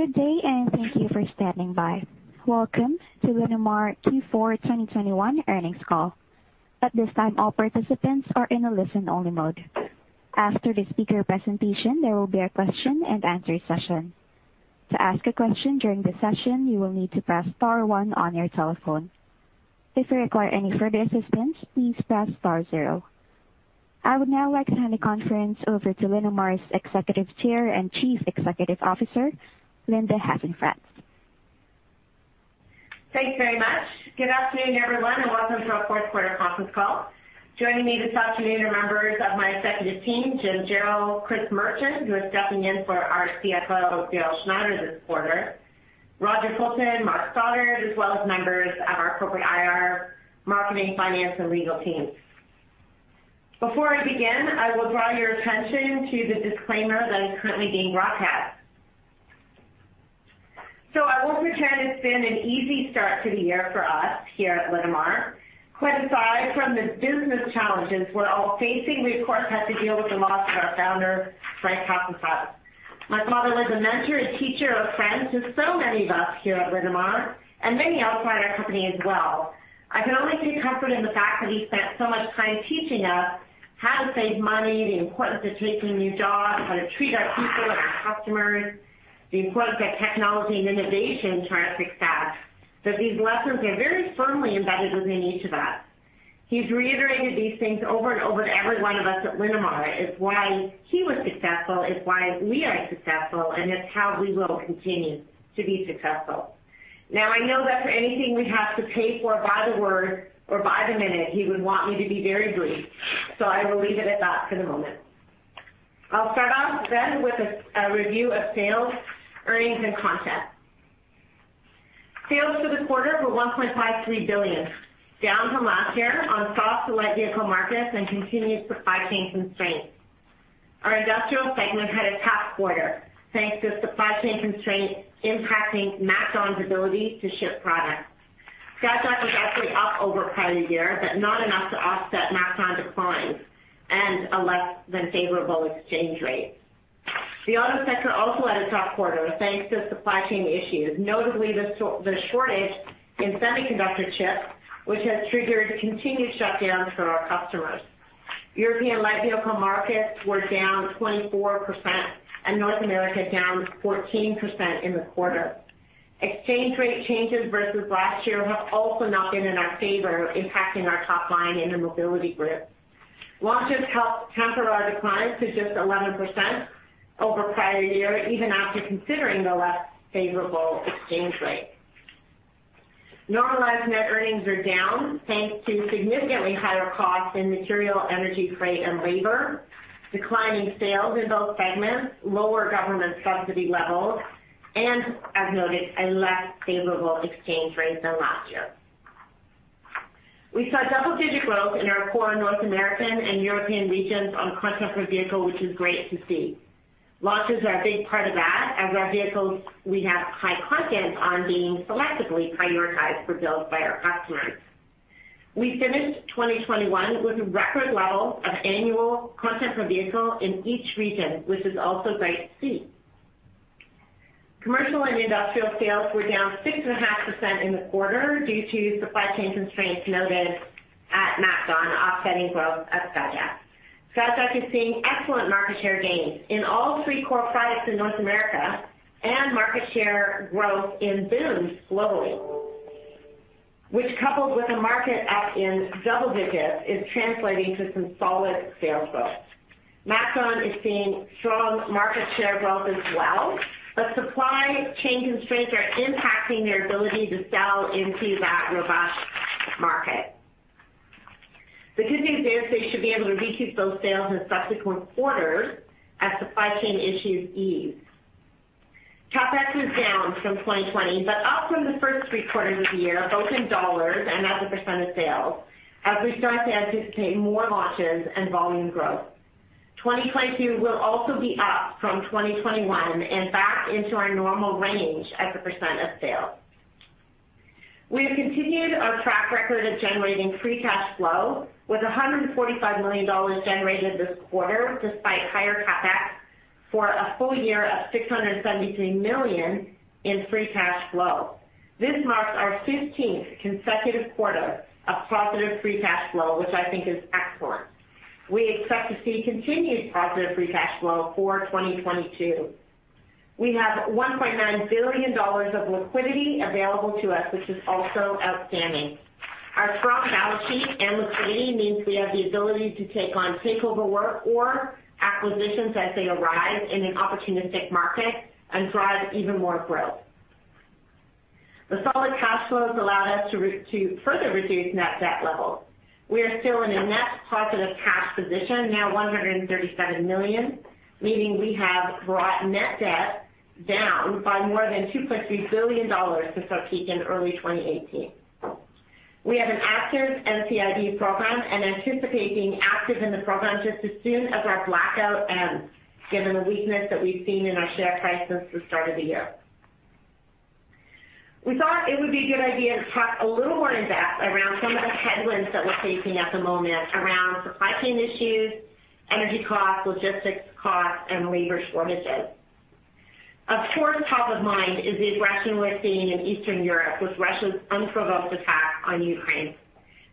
Good day, and thank you for standing by. Welcome to Linamar Q4 2021 earnings call. At this time, all participants are in a listen-only mode. After the speaker presentation, there will be a question-and-answer session. To ask a question during the session, you will need to press star one on your telephone. If you require any further assistance, please press star zero. I would now like to hand the conference over to Linamar's Executive Chair and Chief Executive Officer, Linda Hasenfratz. Thanks very much. Good afternoon, everyone, and welcome to our fourth quarter conference call. Joining me this afternoon are members of my executive team, Jim Jarrell, Chris Merchant - who is stepping in for our CFO, Dale Schneider, this quarter - Roger Fulton, Mark Stoddart, as well as members of our corporate IR, marketing, finance, and legal team. Before I begin, I will draw your attention to the disclaimer that is currently being broadcast. I won't pretend it's been an easy start to the year for us here at Linamar. Quite aside from the business challenges we're all facing, we of course had to deal with the loss of our Founder, Frank Hasenfratz. My father was a mentor, a teacher, a friend to so many of us here at Linamar and many outside our company as well. I can only take comfort in the fact that he spent so much time teaching us how to save money, the importance of taking new jobs, how to treat our people and our customers, the importance of technology and innovation to our success, that these lessons are very firmly embedded within each of us. He's reiterated these things over and over to every one of us at Linamar. It's why he was successful. It's why we are successful, and it's how we will continue to be successful. Now, I know that for anything we have to pay for by the word or by the minute, he would want me to be very brief, so I will leave it at that for the moment. I'll start off then with a review of sales, earnings and content. Sales for the quarter were 1.53 billion, down from last year on soft light vehicle markets and continued supply chain constraints. Our industrial segment had a tough quarter, thanks to supply chain constraints impacting MacDon's ability to ship products. Skyjack was actually up over prior year, but not enough to offset MacDon declines and a less than favorable exchange rate. The auto sector also had a tough quarter, thanks to supply chain issues, notably the shortage in semiconductor chips, which has triggered continued shutdowns for our customers. European light vehicle markets were down 24%, and North America, down 14% in the quarter. Exchange rate changes versus last year have also not been in our favor, impacting our top line in the mobility group. Launches helped temper our decline to just 11% over prior year, even after considering the less favorable exchange rate. Normalized net earnings are down thanks to significantly higher costs in material, energy, freight and labor, declining sales in both segments, lower government subsidy levels, and as noted, a less favorable exchange rate than last year. We saw double-digit growth in our core North American and European regions on content per vehicle, which is great to see. Launches are a big part of that, as our vehicles, we have high content on being selectively prioritized for builds by our customers. We finished 2021 with record levels of annual content per vehicle in each region, which is also great to see. Commercial and industrial sales were down 6.5% in the quarter due to supply chain constraints noted at MacDon, offsetting growth at Skyjack. Skyjack is seeing excellent market share gains in all three core products in North America and market share growth in booms globally, which, coupled with a market up in double digits, is translating to some solid sales growth. MacDon is seeing strong market share growth as well, but supply chain constraints are impacting their ability to sell into that robust market. The good news there is, they should be able to recoup those sales in subsequent quarters as supply chain issues ease. CapEx was down from 2020, but up from the first three quarters of the year, both in dollars and as a percent of sales, as we start to anticipate more launches and volume growth. 2022 will also be up from 2021 and back into our normal range as a percent of sales. We have continued our track record of generating free cash flow with 145 million dollars generated this quarter despite higher CapEx for a full year of 673 million in free cash flow. This marks our fifteenth consecutive quarter of positive free cash flow, which I think is excellent. We expect to see continued positive free cash flow for 2022. We have 1.9 billion dollars of liquidity available to us, which is also outstanding. Our strong balance sheet and liquidity means we have the ability to take on takeover work or acquisitions as they arise in an opportunistic market and drive even more growth. The solid cash flows allowed us to further reduce net debt levels. We are still in a net positive cash position, now 137 million, meaning we have brought net debt down by more than 2.3 billion dollars since our peak in early 2018. We have an active NCIB program, and anticipate being active in the program just as soon as our blackout ends, given the weakness that we've seen in our share price since the start of the year. We thought it would be a good idea to talk a little more in depth around some of the headwinds that we're facing at the moment around supply chain issues, energy costs, logistics costs, and labor shortages. Of course, top of mind is the aggression we're seeing in Eastern Europe with Russia's unprovoked attack on Ukraine.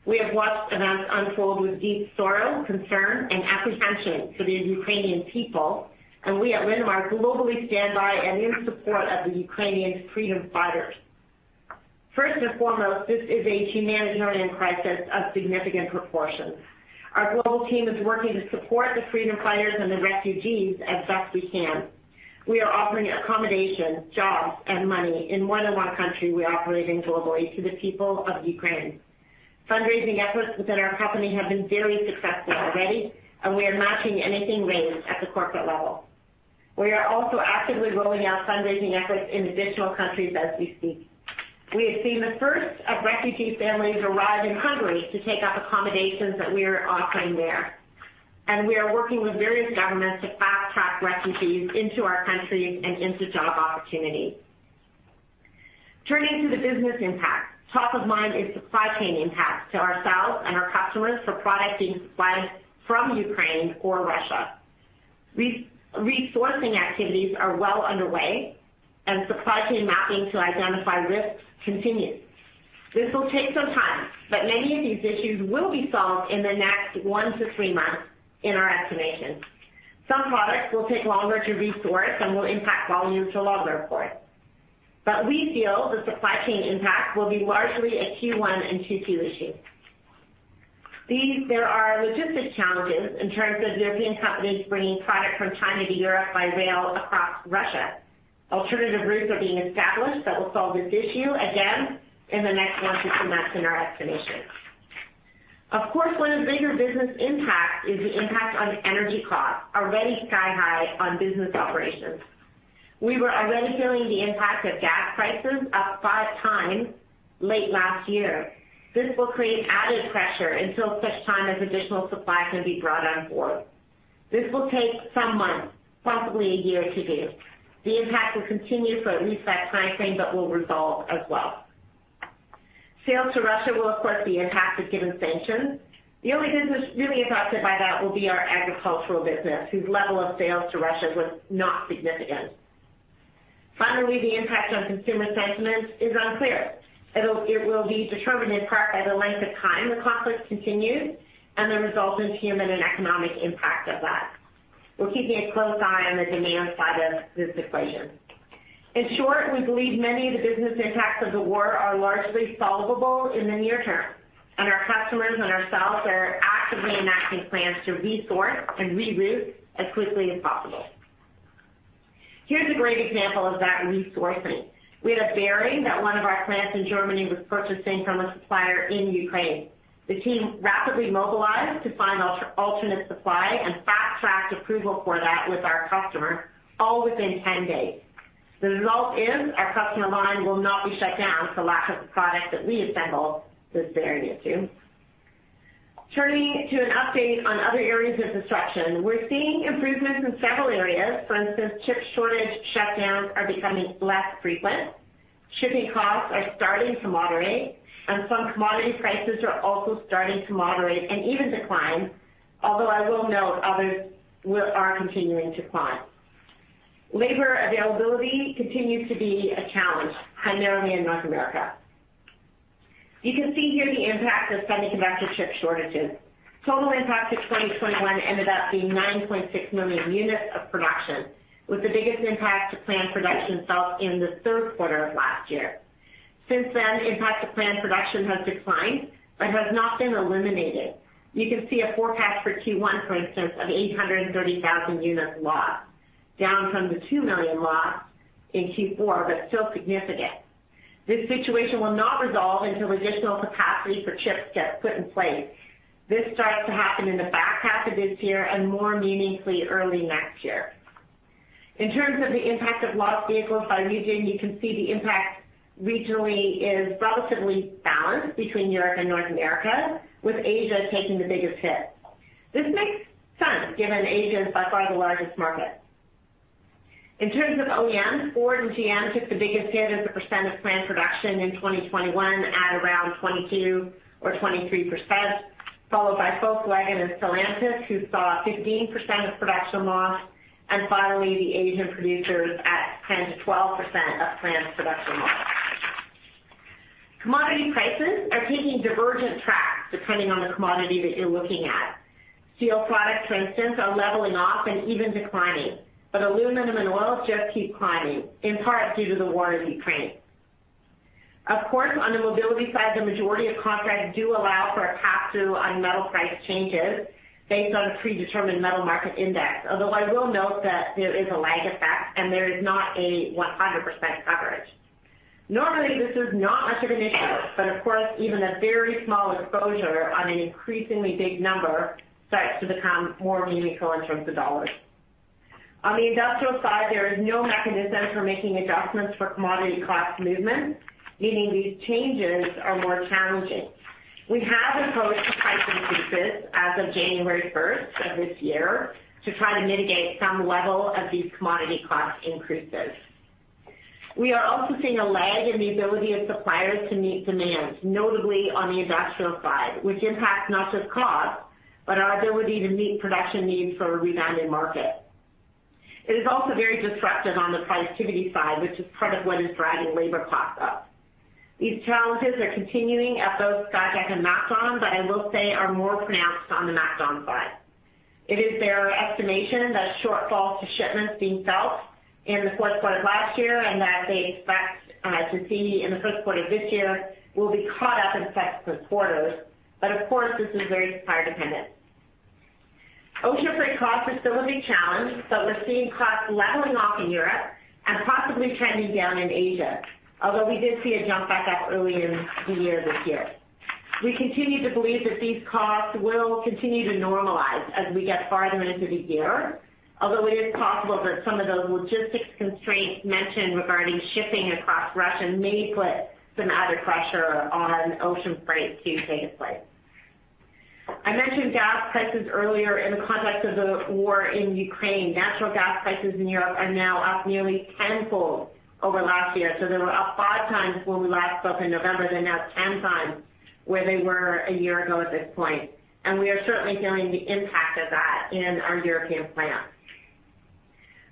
We have watched events unfold with deep sorrow, concern, and apprehension for the Ukrainian people, and we, at Linamar, globally stand by and in support of the Ukrainian freedom fighters. First and foremost, this is a humanitarian crisis of significant proportions. Our global team is working to support the freedom fighters and the refugees as best we can. We are offering accommodation, jobs, and money in more than one country we operate in globally to the people of Ukraine. Fundraising efforts within our company have been very successful already, and we are matching anything raised at the corporate level. We are also actively rolling out fundraising efforts in additional countries as we speak. We have seen the first of refugee families arrive in Hungary to take up accommodations that we are offering there, and we are working with various governments to fast-track refugees into our countries and into job opportunities. Turning to the business impact. Top of mind is supply chain impact to ourselves and our customers for products being supplied from Ukraine or Russia. Resourcing activities are well underway and supply chain mapping to identify risks continues. This will take some time, but many of these issues will be solved in the next one to three months in our estimation. Some products will take longer to resource, and will impact volumes for longer for it. We feel the supply chain impact will be largely a Q1 and Q2 issue. There are logistical challenges in terms of European companies bringing product from China to Europe by rail across Russia. Alternative routes are being established that will solve this issue, again, in the next one to two months in our estimation. Of course, one of the bigger business impacts is the impact on energy costs, already sky high on business operations. We were already feeling the impact of gas prices up 5x late last year. This will create added pressure until such time as additional supply can be brought on board. This will take some months, possibly a year to do. The impact will continue for at least that time frame, but will resolve as well. Sales to Russia will of course be impacted given sanctions. The only business really affected by that will be our agricultural business, whose level of sales to Russia was not significant. Finally, the impact on consumer sentiment is unclear. It will be determined, in part, by the length of time the conflict continues and the resultant human and economic impact of that. We're keeping a close eye on the demand side of this equation. In short, we believe many of the business impacts of the war are largely solvable in the near term, and our customers and ourselves are actively enacting plans to resource and reroute as quickly as possible. Here's a great example of that resourcing. We had a bearing that one of our plants in Germany was purchasing from a supplier in Ukraine. The team rapidly mobilized to find alternate supply, and fast-tracked approval for that with our customer all within 10 days. The result is, our customer line will not be shut down for lack of the product that we assemble this bearing into. Turning to an update on other areas of disruption. We're seeing improvements in several areas. For instance, chip shortage shutdowns are becoming less frequent. Shipping costs are starting to moderate, and some commodity prices are also starting to moderate and even decline. Although, I will note others are continuing to climb. Labor availability continues to be a challenge, primarily in North America. You can see here the impact of semiconductor chip shortages. Total impact to 2021 ended up being 9.6 million units of production, with the biggest impact to planned production felt in the third quarter of last year. Since then, impact to planned production has declined but has not been eliminated. You can see a forecast for Q1, for instance, of 830,000 units lost, down from the 2 million lost in Q4, but still significant. This situation will not resolve until additional capacity for chips gets put in place. This starts to happen in the back half of this year and, more meaningfully, early next year. In terms of the impact of lost vehicles by region, you can see the impact regionally is relatively balanced between Europe and North America, with Asia taking the biggest hit. This makes sense given Asia is by far the largest market. In terms of OEMs, Ford and GM took the biggest hit as a percent of planned production in 2021 at around 22% or 23%, followed by Volkswagen and Stellantis, who saw 15% of production loss, and finally the Asian producers at 10%-12% of planned production loss. Commodity prices are taking divergent tracks depending on the commodity that you're looking at. Steel products, for instance, are leveling off and even declining, but aluminum and oils just keep climbing, in part due to the war in Ukraine. Of course, on the mobility side, the majority of contracts do allow for a pass-through on metal price changes based on a predetermined metal market index. Although, I will note that there is a lag effect, and there is not 100% coverage. Normally, this is not much of an issue, but of course, even a very small exposure on an increasingly big number starts to become more meaningful in terms of dollars. On the industrial side, there is no mechanism for making adjustments for commodity price movements, meaning these changes are more challenging. We have imposed price increases as of January first of this year to try to mitigate some level of these commodity cost increases. We are also seeing a lag in the ability of suppliers to meet demand, notably on the industrial side, which impacts not just cost, but our ability to meet production needs for a rebounding market. It is also very disruptive on the productivity side, which is part of what is driving labor costs up. These challenges are continuing at both Skyjack and MacDon, but I will say are more pronounced on the MacDon side. It is their estimation that shortfalls in shipments being felt in the fourth quarter of last year, and that they expect to see in the first quarter of this year will be caught up in subsequent quarters. Of course, this is very supplier dependent. Ocean freight costs are still a big challenge, but we're seeing costs leveling off in Europe and possibly trending down in Asia. Although we did see a jump back up early in the year this year. We continue to believe that these costs will continue to normalize as we get farther into the year, although it is possible that some of those logistics constraints mentioned regarding shipping across Russia may put some added pressure on ocean freight to take place. I mentioned gas prices earlier in the context of the war in Ukraine. Natural gas prices in Europe are now up nearly tenfold over last year. They were up 5x when we last spoke in November. They're now 10x where they were a year ago at this point, and we are certainly feeling the impact of that in our European plants.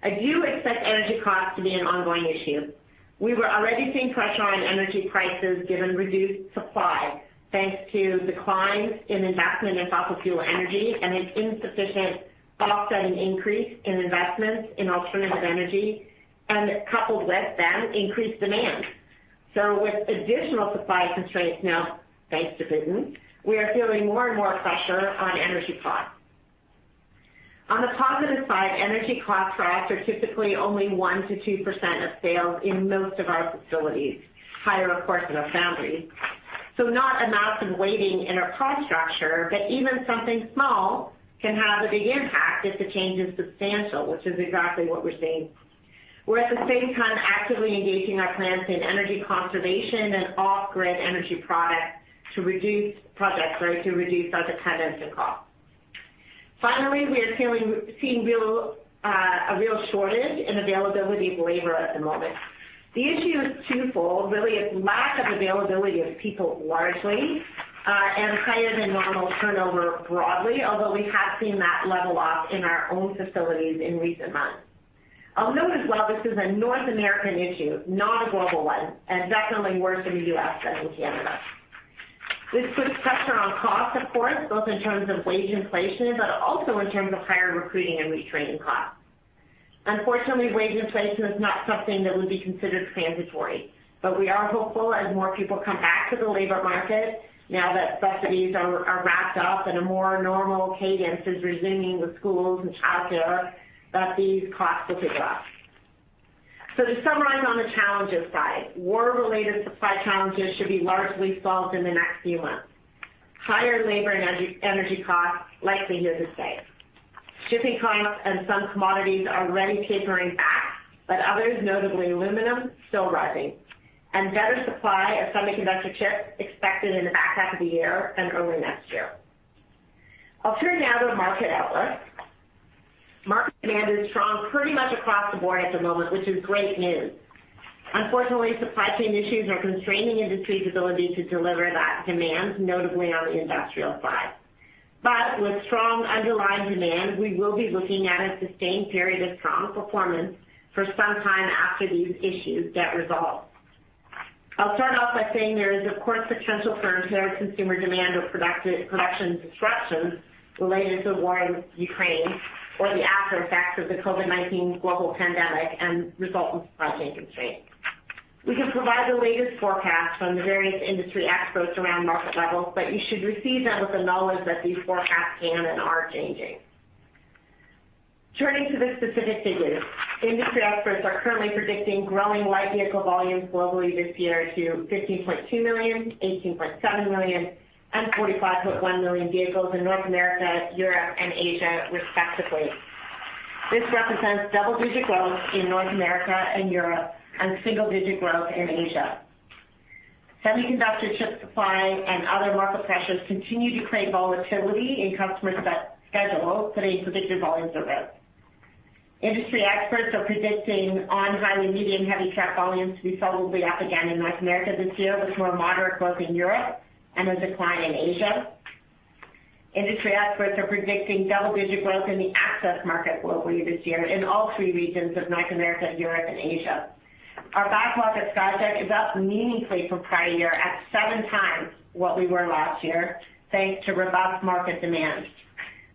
I do expect energy costs to be an ongoing issue. We were already seeing pressure on energy prices given reduced supply, thanks to declines in investment in fossil fuel energy and an insufficient offsetting increase in investments in alternative energy, and coupled with them, increased demand. With additional supply constraints now, thanks to Putin, we are feeling more and more pressure on energy costs. On the positive side, energy costs for us are typically only 1%-2% of sales in most of our facilities, higher, of course, in assembly. Not a massive weighting in our cost structure, but even something small can have a big impact if the change is substantial, which is exactly what we're seeing. We're, at the same time, actively engaging our plants in energy conservation and off-grid energy products to reduce our dependence and cost. Finally, we are seeing real, a real shortage in availability of labor at the moment. The issue is twofold, really it's lack of availability of people largely, and higher than normal turnover broadly, although we have seen that level off in our own facilities in recent months. I'll note as well, this is a North American issue, not a global one, and definitely worse in the U.S. than in Canada. This puts pressure on costs, of course, both in terms of wage inflation, but also in terms of higher recruiting and retraining costs. Unfortunately, wage inflation is not something that would be considered transitory, but we are hopeful as more people come back to the labor market now that subsidies are wrapped up and a more normal cadence is resuming with schools and childcare, that these costs will decrease. To summarize on the challenges side, war-related supply challenges should be largely solved in the next few months. Higher labor and energy costs, likely here to stay. Shipping costs and some commodities are already tapering back, but others, notably aluminum, still rising. Better supply of semiconductor chips expected in the back half of the year and early next year. I'll turn now to market outlook. Market demand is strong pretty much across the board at the moment, which is great news. Unfortunately, supply chain issues are constraining industry's ability to deliver that demand, notably on the industrial side. With strong underlying demand, we will be looking at a sustained period of strong performance for some time after these issues get resolved. I'll start off by saying there is of course potential for impaired consumer demand or production disruptions related to the war in Ukraine or the aftereffects of the COVID-19 global pandemic and resultant supply chain constraints. We can provide the latest forecast from the various industry experts around market levels, but you should receive them with the knowledge that these forecasts can and are changing. Turning to the specific figures. Industry experts are currently predicting growing light vehicle volumes globally this year to 15.2 million, 18.7 million, and 45.1 million vehicles in North America, Europe, and Asia, respectively. This represents double-digit growth in North America and Europe and single-digit growth in Asia. Semiconductor chip supply and other market pressures continue to create volatility in customers' set schedules, putting predicted volumes at risk. Industry experts are predicting medium- and heavy-duty truck volumes to be solidly up again in North America this year, with more moderate growth in Europe and a decline in Asia. Industry experts are predicting double-digit growth in the access market globally this year in all three regions of North America, Europe, and Asia. Our backlog is up meaningfully from prior year at seven times what we were last year, thanks to robust market demand.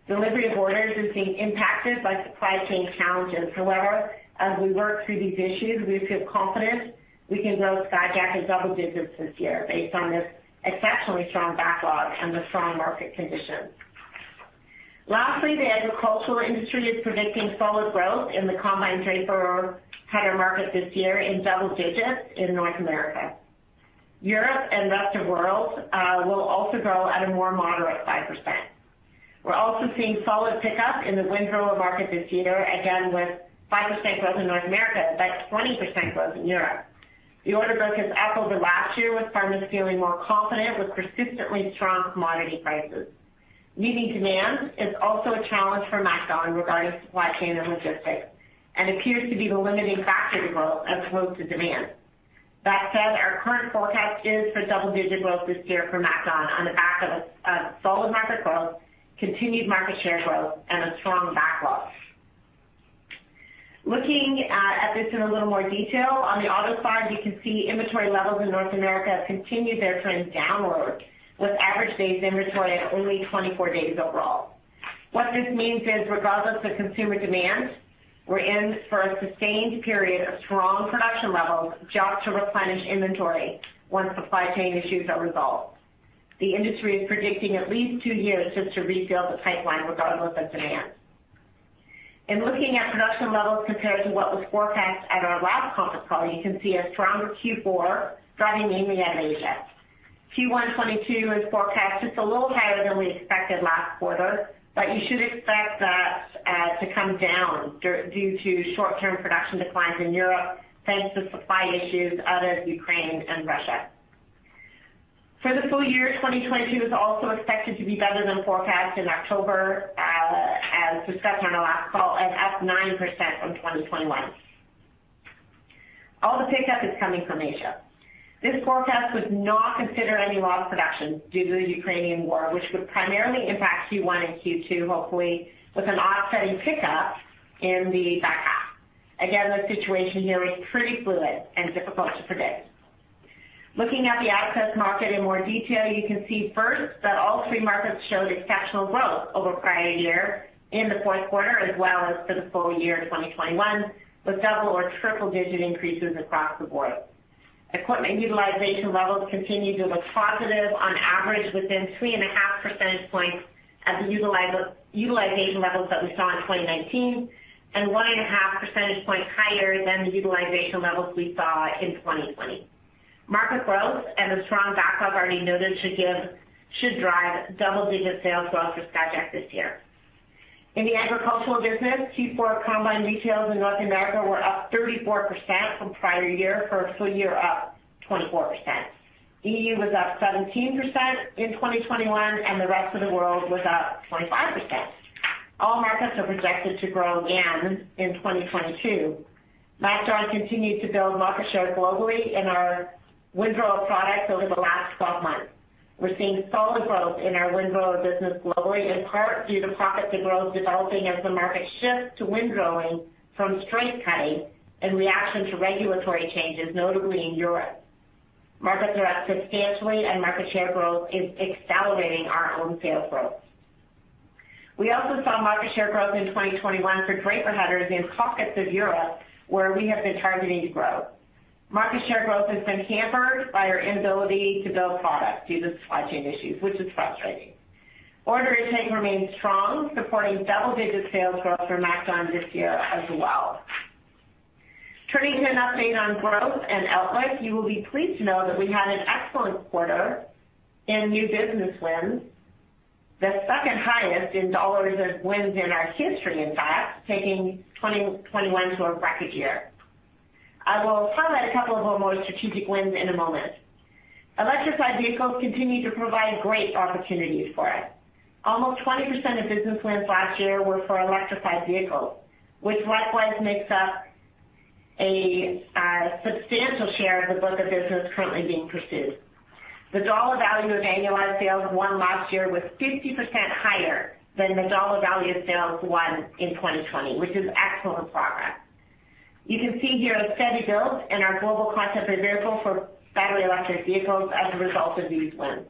Delivery of orders is being impacted by supply chain challenges. However, as we work through these issues, we feel confident we can grow Skyjack in double-digits this year based on this exceptionally strong backlog and the strong market conditions. Lastly, the agricultural industry is predicting solid growth in the combine draper header market this year in double-digits in North America. Europe and rest of world will also grow at a more moderate 5%. We're also seeing solid pickup in the windrower market this year, again with 5% growth in North America, but 20% growth in Europe. The order book is up over last year, with farmers feeling more confident with persistently strong commodity prices. Meeting demand is also a challenge for MacDon regarding supply chain and logistics, and appears to be the limiting factor to growth as opposed to demand. That said, our current forecast is for double-digit growth this year for MacDon on the back of solid market growth, continued market share growth, and a strong backlog. Looking at this in a little more detail, on the auto side, you can see inventory levels in North America continue their trend downward, with average days inventory at only 24 days overall. What this means is, regardless of consumer demand, we're in for a sustained period of strong production levels, jobs to replenish inventory once supply chain issues are resolved. The industry is predicting at least two years just to refill the pipeline regardless of demand. In looking at production levels compared to what was forecast at our last conference call, you can see a stronger Q4 driving EMEA and Asia. Q1 2022 is forecast just a little higher than we expected last quarter, but you should expect that to come down due to short-term production declines in Europe thanks to supply issues out of Ukraine and Russia. For the full year, 2022 is also expected to be better than forecast in October, as discussed on our last call, and up 9% from 2021. All the pickup is coming from Asia. This forecast would not consider any lost production due to the Ukrainian war, which would primarily impact Q1 and Q2, hopefully with an offsetting pickup in the back half. Again, the situation here is pretty fluid and difficult to predict. Looking at the access market in more detail, you can see first that all three markets showed exceptional growth over prior year in the fourth quarter, as well as for the full year 2021, with double- or triple-digit increases across the board. Equipment utilization levels continue to look positive on average within 3.5 percentage points at the utilization levels that we saw in 2019, and 1.5 percentage point higher than the utilization levels we saw in 2020. Market growth and the strong backlog already noted should drive double-digit sales growth for Skyjack this year. In the agricultural business, Q4 combine retails in North America were up 34% from prior year, for a full year up 24%. E.U. was up 17% in 2021, and the rest of the world was up 25%. All markets are projected to grow again in 2022. MacDon continued to build market share globally in our windrower products over the last 12 months. We're seeing solid growth in our windrower business globally, in part due to pivot to growth developing as the market shifts to windrowing from straight cutting in reaction to regulatory changes, notably in Europe. Markets are up substantially and market share growth is accelerating our own sales growth. We also saw market share growth in 2021 for draper headers in pockets of Europe where we have been targeting growth. Market share growth has been hampered by our inability to build products due to supply chain issues, which is frustrating. Order intake remains strong, supporting double-digit sales growth for MacDon this year as well. Turning to an update on growth and outlook, you will be pleased to know that we had an excellent quarter in new business wins, the second-highest in dollars of wins in our history, in fact, taking 2021 to a record year. I will highlight a couple of our most strategic wins in a moment. Electrified vehicles continue to provide great opportunities for us. Almost 20% of business wins last year were for electrified vehicles, which likewise makes up a substantial share of the book of business currently being pursued. The dollar value of annualized sales won last year was 50% higher than the dollar value of sales won in 2020, which is excellent progress. You can see here a steady build in our global content per vehicle for battery electric vehicles as a result of these wins.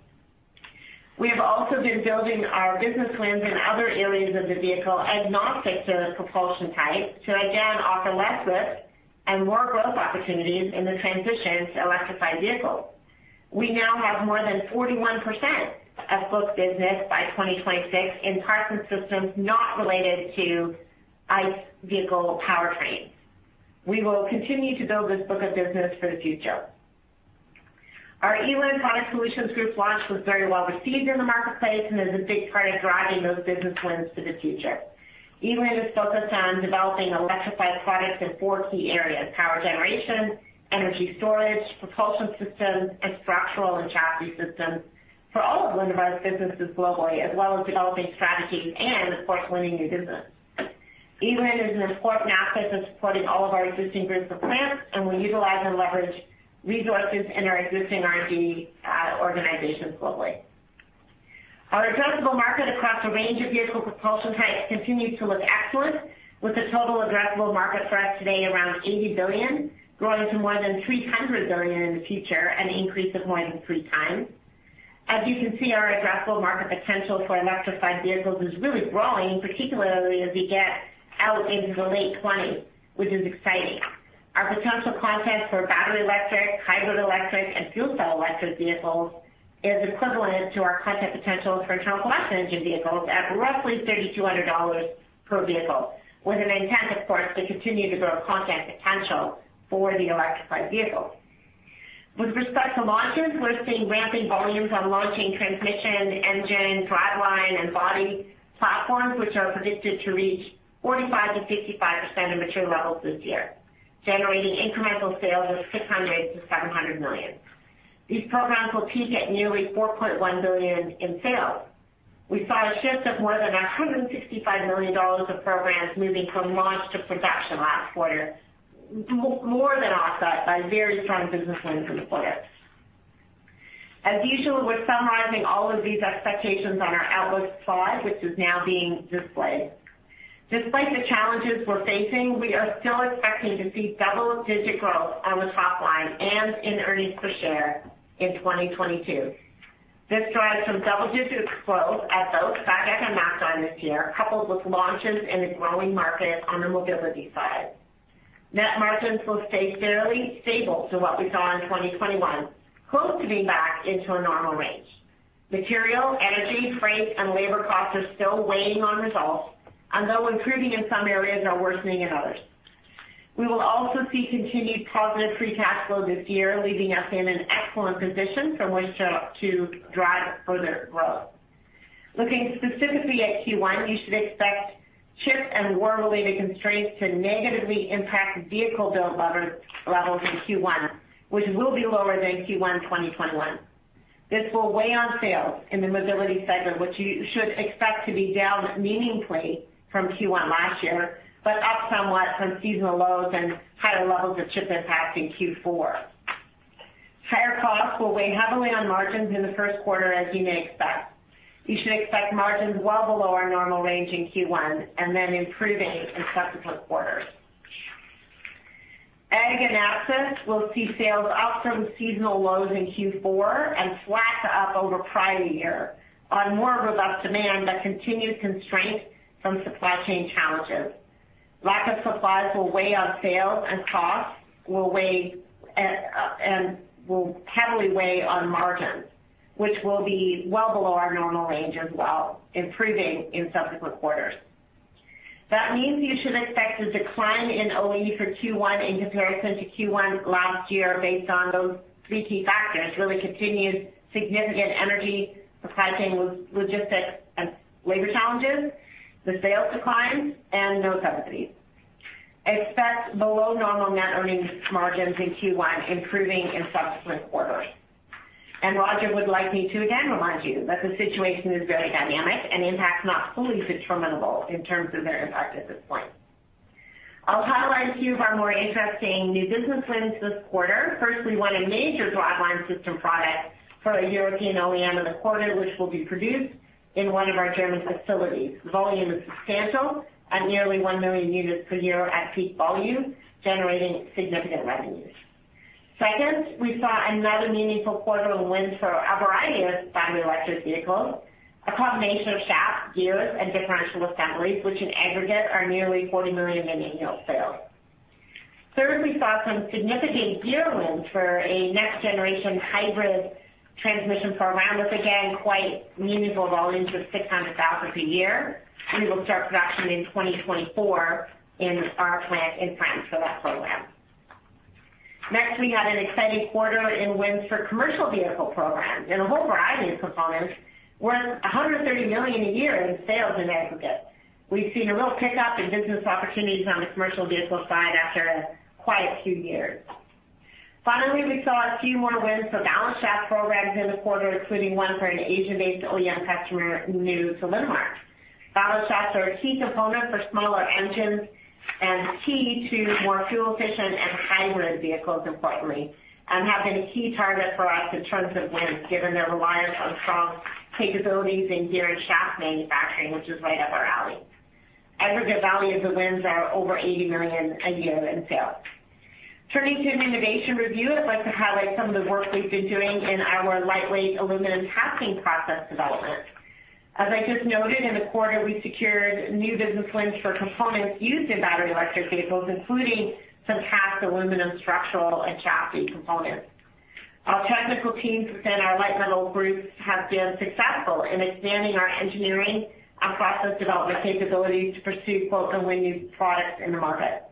We have also been building our business wins in other areas of the vehicle agnostic to the propulsion type to again offer less risk and more growth opportunities in the transition to electrified vehicles. We now have more than 41% of book business by 2026 in parts and systems not related to ICE vehicle powertrains. We will continue to build this book of business for the future. Our eLIN Product Solutions Group launch was very well received in the marketplace and is a big part of driving those business wins for the future. ELIN is focused on developing electrified products in four key areas - power generation, energy storage, propulsion systems, and structural and chassis systems for all of Linamar's businesses globally - as well as developing strategies and, of course, winning new business. eLIN is an important asset in supporting all of our existing groups of plants, and we utilize and leverage resources in our existing R&D organizations globally. Our addressable market across a range of vehicle propulsion types continues to look excellent, with the total addressable market for us today around 80 billion, growing to more than 300 billion in the future, an increase of more than 3x. As you can see, our addressable market potential for electrified vehicles is really growing, particularly as we get out into the late 2020s, which is exciting. Our potential content for battery electric, hybrid electric, and fuel cell electric vehicles is equivalent to our content potential for internal combustion engine vehicles at roughly 3,200 dollars per vehicle, with an intent, of course, to continue to grow content potential for the electrified vehicles. With respect to launches, we're seeing ramping volumes on launching transmission, engine, driveline, and body platforms, which are predicted to reach 45%-55% of mature levels this year, generating incremental sales of 600 million-700 million. These programs will peak at nearly 4.1 billion in sales. We saw a shift of more than 165 million dollars of programs moving from launch to production last quarter, more than offset by very strong business wins in the quarter. As usual, we're summarizing all of these expectations on our outlook slide, which is now being displayed. Despite the challenges we're facing, we are still expecting to see double-digit growth on the top line and in earnings per share in 2022. This drives from double-digit growth at both ag and access this year, coupled with launches in a growing market on the mobility side. Net margins will stay fairly stable to what we saw in 2021, close to being back into a normal range. Material, energy, freight, and labor costs are still weighing on results, and though improving in some areas, are worsening in others. We will also see continued positive free cash flow this year, leaving us in an excellent position from which to drive further growth. Looking specifically at Q1, you should expect chip and war-related constraints to negatively impact vehicle build levels in Q1, which will be lower than Q1 2021. This will weigh on sales in the mobility segment, which you should expect to be down meaningfully from Q1 last year, but up somewhat from seasonal lows and higher levels of chip impact in Q4. Higher costs will weigh heavily on margins in the first quarter, as you may expect. You should expect margins well below our normal range in Q1, and then improving in subsequent quarters. Ag and access will see sales up from seasonal lows in Q4 and flat to up over prior year on more robust demand that continued constraint from supply chain challenges. Lack of supplies will weigh on sales, and costs will weigh, and will heavily weigh on margins, which will be well below our normal range as well, improving in subsequent quarters. That means you should expect a decline in OE for Q1 in comparison to Q1 last year based on those three key factors, really, continued significant energy, supply chain logistics, and labor challenges, the sales declines, and no subsidies. Expect below normal net earnings margins in Q1, improving in subsequent quarters. Roger would like me to again remind you that the situation is very dynamic, and the impact is not fully determinable in terms of their impact at this point. I'll highlight a few of our more interesting new business wins this quarter. First, we won a major driveline system product for a European OEM in the quarter, which will be produced in one of our German facilities. Volume is substantial at nearly 1 million units per year at peak volume, generating significant revenues. Second, we saw another meaningful quarterly win for a variety of battery electric vehicles, a combination of shafts, gears, and differential assemblies, which, in aggregate, are nearly 40 million in annual sales. Third, we saw some significant gear wins for a next-generation hybrid transmission program with, again, quite meaningful volumes of 600,000 per year. We will start production in 2024 in our plant in France for that program. Next, we had an exciting quarter in wins for commercial vehicle programs in a whole variety of components worth 130 million a year in sales in aggregate. We've seen a real pickup in business opportunities on the commercial vehicle side after a quiet few years. Finally, we saw a few more wins for balance shaft programs in the quarter, including one for an Asian-based OEM customer new to Linamar. Balance shafts are a key component for smaller engines, and key to more fuel-efficient and hybrid vehicles, importantly, and have been a key target for us in terms of wins, given their reliance on strong capabilities in gear and shaft manufacturing, which is right up our alley. Aggregate value of the wins are over 80 million a year in sales. Turning to an innovation review, I'd like to highlight some of the work we've been doing in our lightweight aluminum casting process development. As I just noted, in the quarter, we secured new business wins for components used in battery electric vehicles, including some cast aluminum structural and chassis components. Our technical teams within our light metal groups have been successful in expanding our engineering and process development capabilities to pursue "unweaned" products in the market.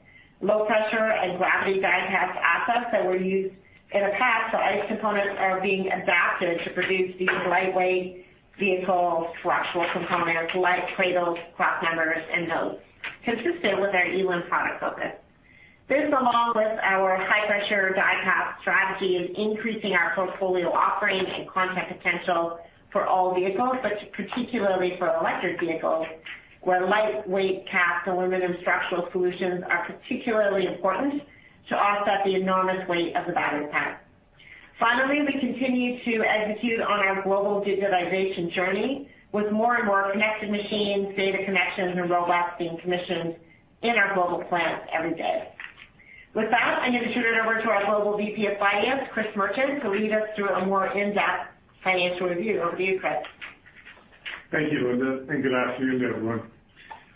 Low pressure and gravity die-cast assets that were used in the past for ICE components are being adapted to produce these lightweight vehicle structural components like cradles, cross members, and nodes consistent with our eLIN product focus. This, along with our high-pressure die-cast strategy, is increasing our portfolio offerings and content potential for all vehicles, but particularly for electric vehicles, where lightweight cast aluminum structural solutions are particularly important to offset the enormous weight of the battery pack. Finally, we continue to execute on our global digitization journey with more and more connected machines, data connections, and robots being commissioned in our global plants every day. With that, I'm going to turn it over to our Global VP of Finance, Chris Merchant, to lead us through a more in-depth financial review. Over to you, Chris. Thank you, Linda, and good afternoon, everyone.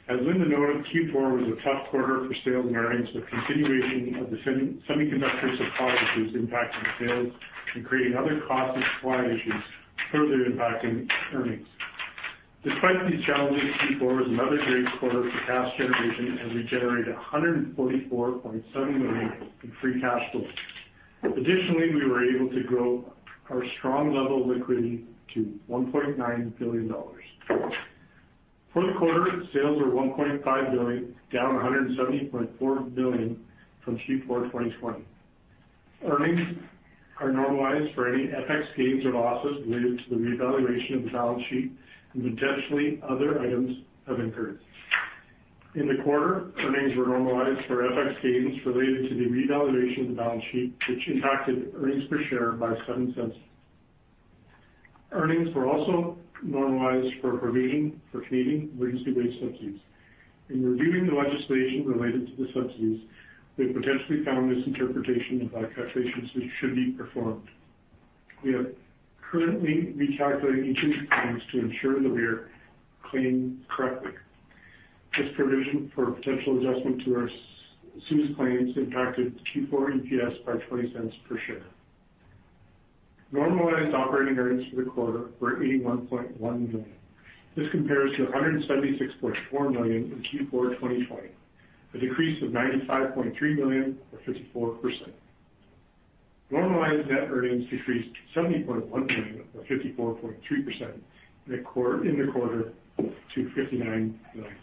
As Linda noted, Q4 was a tough quarter for sales and earnings, with continuation of the semiconductor shortages impacting sales and creating other cost and supply issues, further impacting earnings. Despite these challenges, Q4 was another great quarter for cash generation as we generated 144.7 million in free cash flow. Additionally, we were able to grow our strong level of liquidity to 1.9 billion dollars. For the quarter, sales were 1.5 billion, down 170.4 million from Q4 2020. Earnings are normalized for any FX gains or losses related to the revaluation of the balance sheet and potentially other items have incurred. In the quarter, earnings were normalized for FX gains related to the revaluation of the balance sheet, which impacted earnings per share by 0.07. Earnings were also normalized for providing for Canada Emergency Wage Subsidy. In reviewing the legislation related to the subsidies, we potentially found misinterpretation of our calculations, which should be performed. We are currently recalculating each of these claims to ensure that we are claiming correctly. This provision for potential adjustment to our CEWS claims impacted Q4 EPS by 0.20 per share. Normalized operating earnings for the quarter were 81.1 million. This compares to 176.4 million in Q4 2020, a decrease of 95.3 million or 54%. Normalized net earnings decreased 70.1 million or 54.3% in the quarter to 59 million.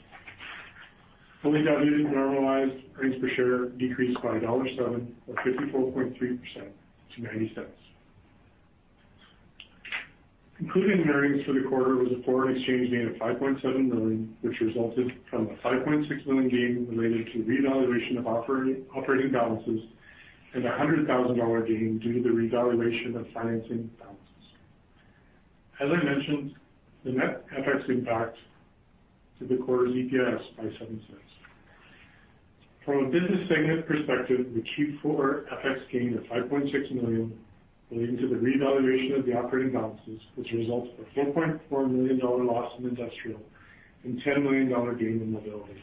Fully diluted normalized earnings per share decreased by dollar 1.07 or 54.3% to 0.90. Included in earnings for the quarter was a foreign exchange gain of 5.7 million, which resulted from a 5.6 million gain related to the revaluation of operating balances and a 100,000 dollar gain due to the revaluation of financing balances. As I mentioned, the net FX impact impacted the quarter's EPS by 0.07. From a business segment perspective, the Q4 FX gain of 5.6 million relating to the revaluation of the operating balances, which results in a 4.4 million dollar loss in industrial and 10 million dollar gain in mobility.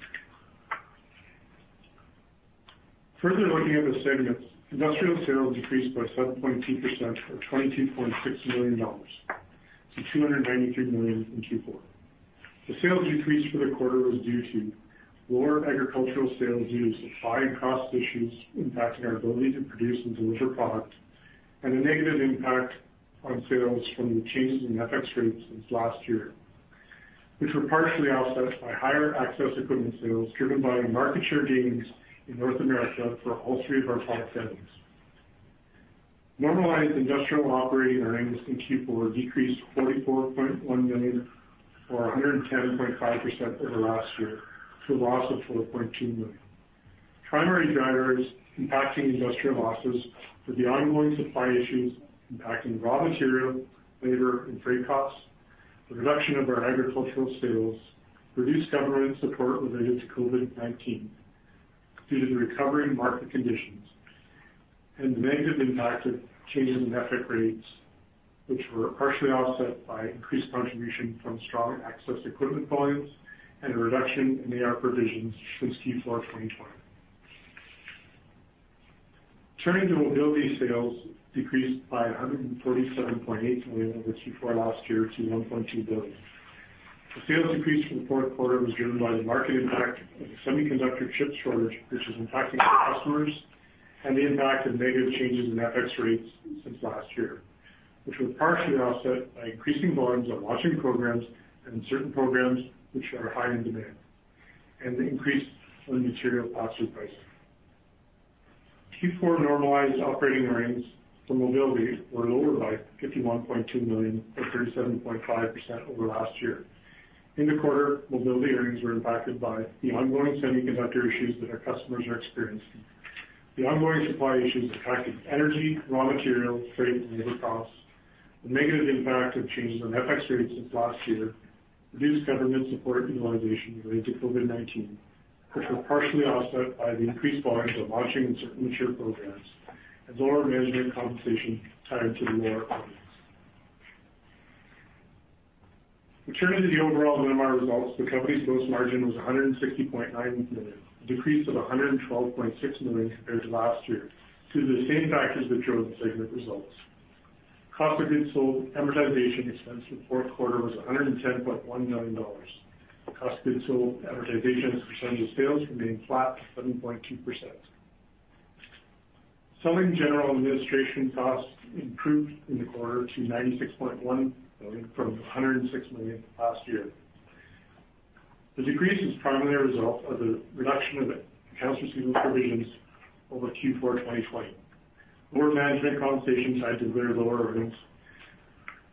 Further looking at the segments, industrial sales decreased by 7.2% or 22.6 million dollars to 293 million in Q4. The sales decrease for the quarter was due to lower agricultural sales due to supply and cost issues impacting our ability to produce and deliver product, and a negative impact on sales from the change in FX rates since last year, which were partially offset by higher access equipment sales driven by market share gains in North America for all three of our product families. Normalized industrial operating earnings in Q4 decreased 44.1 million or 110.5% over last year to a loss of 4.2 million. Primary drivers impacting industrial losses were the ongoing supply issues impacting raw material, labor, and freight costs, the reduction of our agricultural sales, reduced government support related to COVID-19 due to the recovery in market conditions, and the negative impact of changes in FX rates, which were partially offset by increased contribution from strong Access equipment volumes and a reduction in AR provisions since Q4 2020. Turning to mobility, sales decreased by 147.8 million dollars over Q4 last year to 1.2 billion. The sales decrease for the fourth quarter was driven by the market impact of the semiconductor chip shortage, which is impacting our customers, and the impact of negative changes in FX rates since last year, which was partially offset by increasing volumes on launching programs and certain programs which are high in demand, and the increase in material costs and pricing. Q4 normalized operating earnings for mobility were lower by 51.2 million or 37.5% over last year. In the quarter, mobility earnings were impacted by the ongoing semiconductor issues that our customers are experiencing, the ongoing supply issues impacting energy, raw materials, freight, and labor costs, the negative impact of changes on FX rates since last year, reduced government support utilization related to COVID-19, which were partially offset by the increased volumes of launching certain mature programs and lower management compensation tied to the lower volumes. Returning to the overall Linamar results, the company's gross margin was 160.9 million, a decrease of 112.6 million compared to last year due to the same factors that drove the segment results. Cost of goods sold, amortization expense for the fourth quarter was 110.1 million dollars. Cost of goods sold, amortization as a percentage of sales remained flat at 7.2%. Selling general administration costs improved in the quarter to 96.1 million from 106 million last year. The decrease is primarily a result of the reduction of accounts receivable provisions over Q4 2020, lower management compensation tied to lower earnings,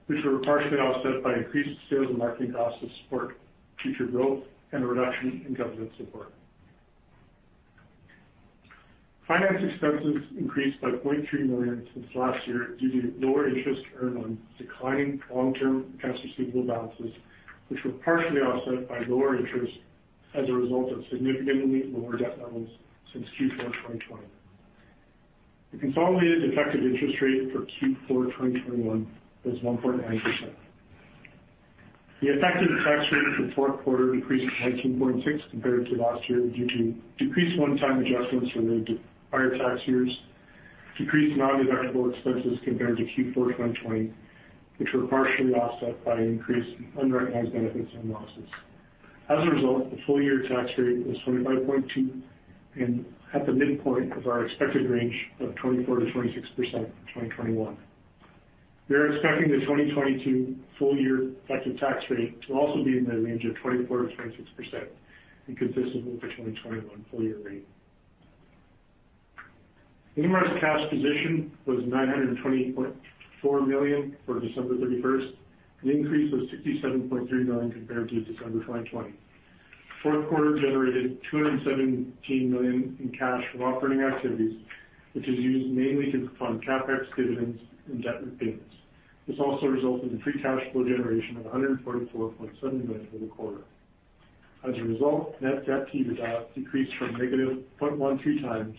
which were partially offset by increased sales and marketing costs to support future growth, and a reduction in government support. Finance expenses increased by 0.3 million since last year due to lower interest earned on declining long-term accounts receivable balances, which were partially offset by lower interest as a result of significantly lower debt levels since Q4 2020. The consolidated effective interest rate for Q4 2021 was 1.9%. The effective tax rate for the fourth quarter increased to 19.6% compared to last year due to decreased one-time adjustments related to prior tax years, decreased non-taxable expenses compared to Q4 2020, which were partially offset by increased unrecognized benefits and losses. As a result, the full year tax rate was 25.2% and at the midpoint of our expected range of 24%-26% in 2021. We are expecting the 2022 full year effective tax rate to also be in the range of 24%-26% and consistent with the 2021 full year rate. Linamar's cash position was 920.4 million for December 31, an increase of 67.3 million compared to December 2020. Fourth quarter generated 217 million in cash from operating activities, which is used mainly to fund CapEx, dividends and debt repayments. This also resulted in free cash flow generation of 144.7 million for the quarter. As a result, net debt-to-EBITDA decreased to -0.13x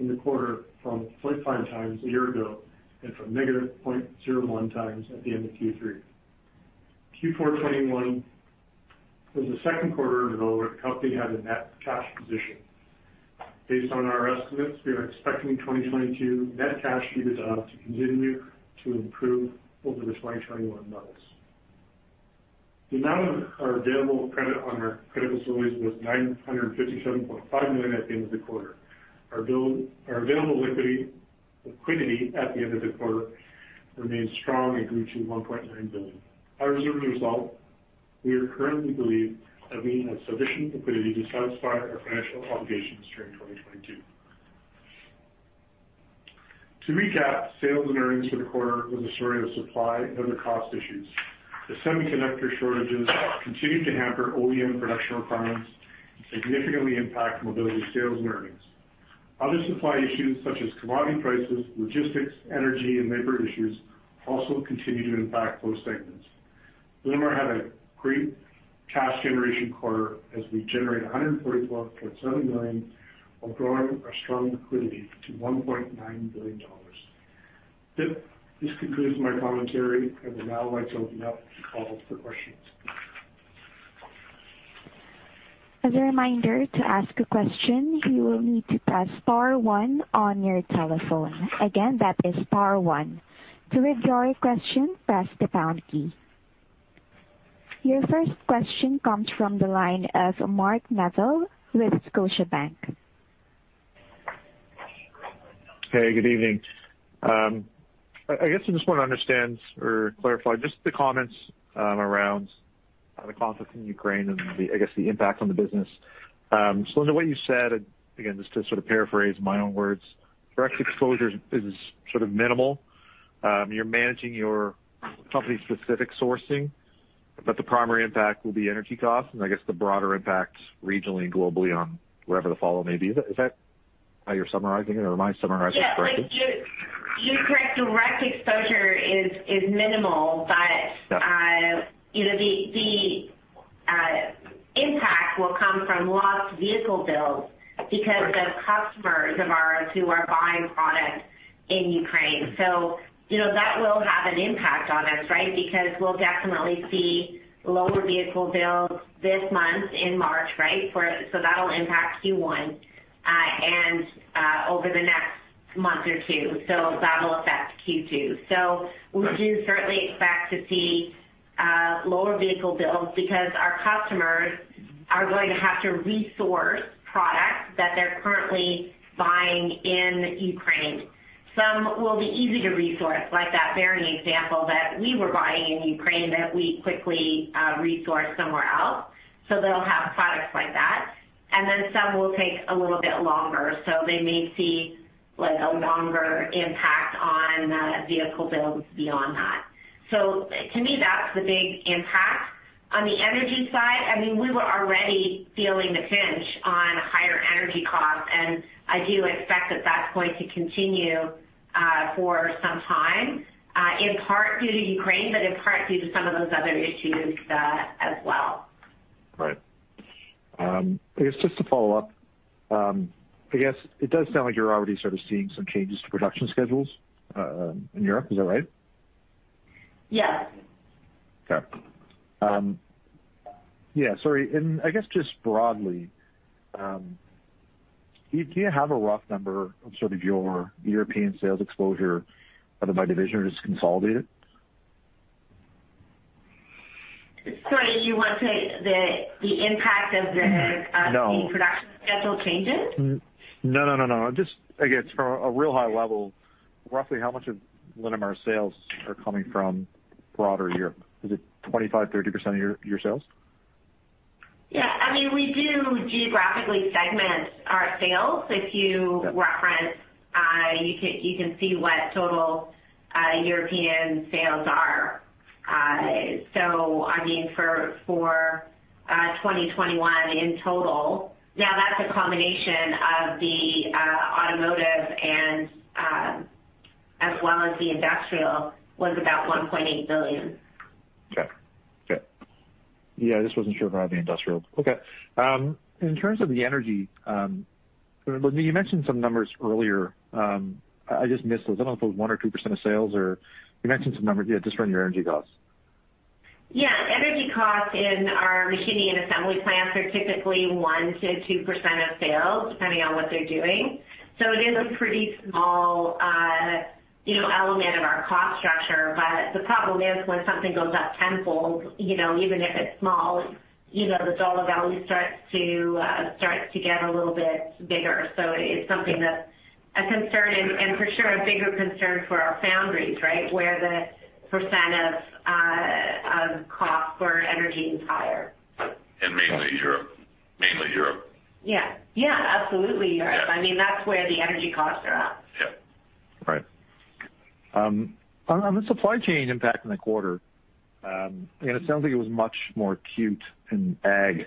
in the quarter from 0.5x a year ago and from -0.01x at the end of Q3. Q4 2021 was the second quarter in a row where the company had a net cash position. Based on our estimates, we are expecting 2022 net cash to EBITDA to continue to improve over the 2021 levels. The amount of our available credit on our credit facilities was 957.5 million at the end of the quarter. Our available liquidity at the end of the quarter remains strong at circa 1.9 billion. As a result, we currently believe that we have sufficient liquidity to satisfy our financial obligations during 2022. To recap, sales and earnings for the quarter was a story of supply and other cost issues. The semiconductor shortages continued to hamper OEM production requirements, significantly impacting mobility sales and earnings. Other supply issues such as commodity prices, logistics, energy, and labor issues also continue to impact those segments. Linamar had a great cash generation quarter as we generated 144.7 million, while growing our strong liquidity to 1.9 billion dollars. This concludes my commentary, and I'd now like to open up the call for questions. As a reminder, to ask a question, you will need to press star one on your telephone. Again, that is star one. To withdraw your question, press the pound key. Your first question comes from the line of Mark Neville with Scotiabank. Hey, good evening. I guess I just want to understand or clarify just the comments around the conflict in Ukraine and the impact on the business. Linda, what you said, again, just to sort of paraphrase my own words, direct exposure is sort of minimal. You're managing your company-specific sourcing, but the primary impact will be energy costs and, I guess, the broader impact regionally and globally on wherever the fallout may be. Is that how you're summarizing it, or am I summarizing it correctly? Yeah. You're correct. The direct exposure is minimal. You know, the impact will come from lost vehicle builds because our customers who are buying product in Ukraine. You know, that will have an impact on us, right? Because we'll definitely see lower vehicle builds this month in March, right? That'll impact Q1 and over the next month or two. That'll affect Q2. We do certainly expect to see lower vehicle builds because our customers are going to have to resource products that they're currently buying in Ukraine. Some will be easy to resource, like that bearing example that we were buying in Ukraine that we quickly resourced somewhere else. They'll have products like that. Some will take a little bit longer. They may see like a longer impact on vehicle builds beyond that. To me, that's the big impact. On the energy side, I mean, we were already feeling the pinch on higher energy costs, and I do expect that that's going to continue for some time, in part due to Ukraine, but in part due to some of those other issues as well. Right. I guess just to follow up, I guess it does sound like you're already sort of seeing some changes to production schedules in Europe. Is that right? Yes. Okay. Yeah, sorry, and I guess just broadly, do you have a rough number of sort of your European sales exposure, either by division or just consolidated? Sorry, do you want the impact of the- No.... the production schedule changes? No. Just, I guess, from a real high level, roughly how much of Linamar sales are coming from broader Europe? Is it 25%, 30% of your sales? Yeah. I mean, we do geographically segment our sales. If you reference, you can see what total European sales are, I mean, for 2021 in total. Now, that's a combination of the automotive and as well as the industrial, was about 1.8 billion. Okay. Yeah, I just wasn't sure if I had the industrial. In terms of the energy, Linda, you mentioned some numbers earlier. I just missed those. I don't know if it was 1% or 2% of sales or you mentioned some numbers. Yeah, just around your energy costs. Yeah. Energy costs in our machining and assembly plants are typically 1%-2% of sales, depending on what they're doing. It is a pretty small, you know, element of our cost structure. The problem is when something goes up tenfold, you know, even if it's small, you know, the dollar value starts to get a little bit bigger. It is something that's a concern and for sure a bigger concern for our foundries, right, where the percent of cost for energy is higher. Mainly Europe. Yeah. Yeah, absolutely, Europe. I mean, that's where the energy costs are up. Yeah. Right. On the supply chain impact in the quarter, it sounds like it was much more acute in ag.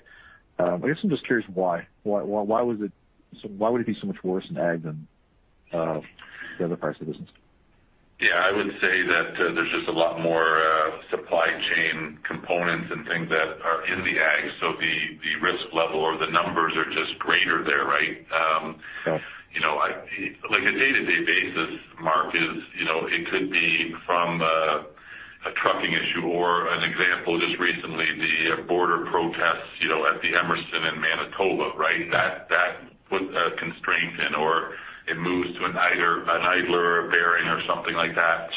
I guess I'm just curious why. Why was it so much worse in ag than the other parts of the business? Yeah, I would say that there's just a lot more supply chain components and things that are in the ag. The risk level or the numbers are just greater there, right? Okay. You know, like a day-to-day basis, Mark, is, you know, it could be from a trucking issue or an example just recently, the border protests, you know, at the Emerson in Manitoba, right? That put a constraint in or it moves to an idler bearing or something like that.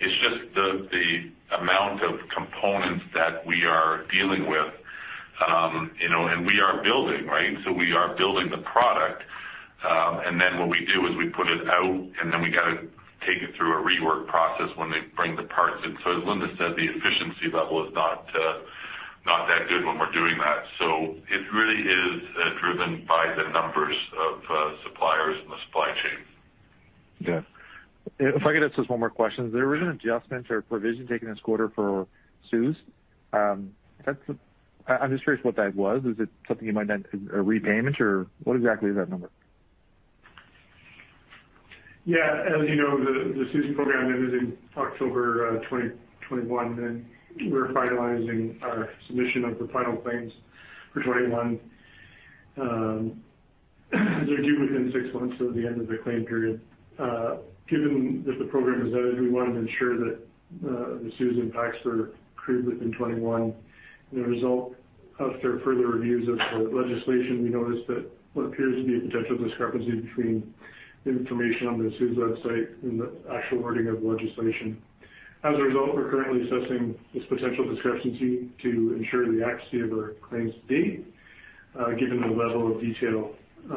It's just the amount of components that we are dealing with, you know, and we are building, right? We are building the product, and then what we do is we put it out, and then we gotta take it through a rework process when they bring the parts in. As Linda said, the efficiency level is not that good when we're doing that. It really is driven by the numbers of suppliers in the supply chain. Yeah. If I could ask just one more question. There was an adjustment or provision taken this quarter for CEWS. That's the--I'm just curious what that was. Is it a repayment, or what exactly is that number? Yeah. As you know, the CEWS program ended in October 2021, and we're finalizing our submission of the final claims for 2021. They're due within six months of the end of the claim period. Given that the program is ended, we wanted to ensure that the CEWS impacts were accrued within 2021. As a result, after further reviews of the legislation, we noticed that what appears to be a potential discrepancy between information on the CEWS website and the actual wording of legislation. As a result, we're currently assessing this potential discrepancy to ensure the accuracy of our claims to date. Given the level of detail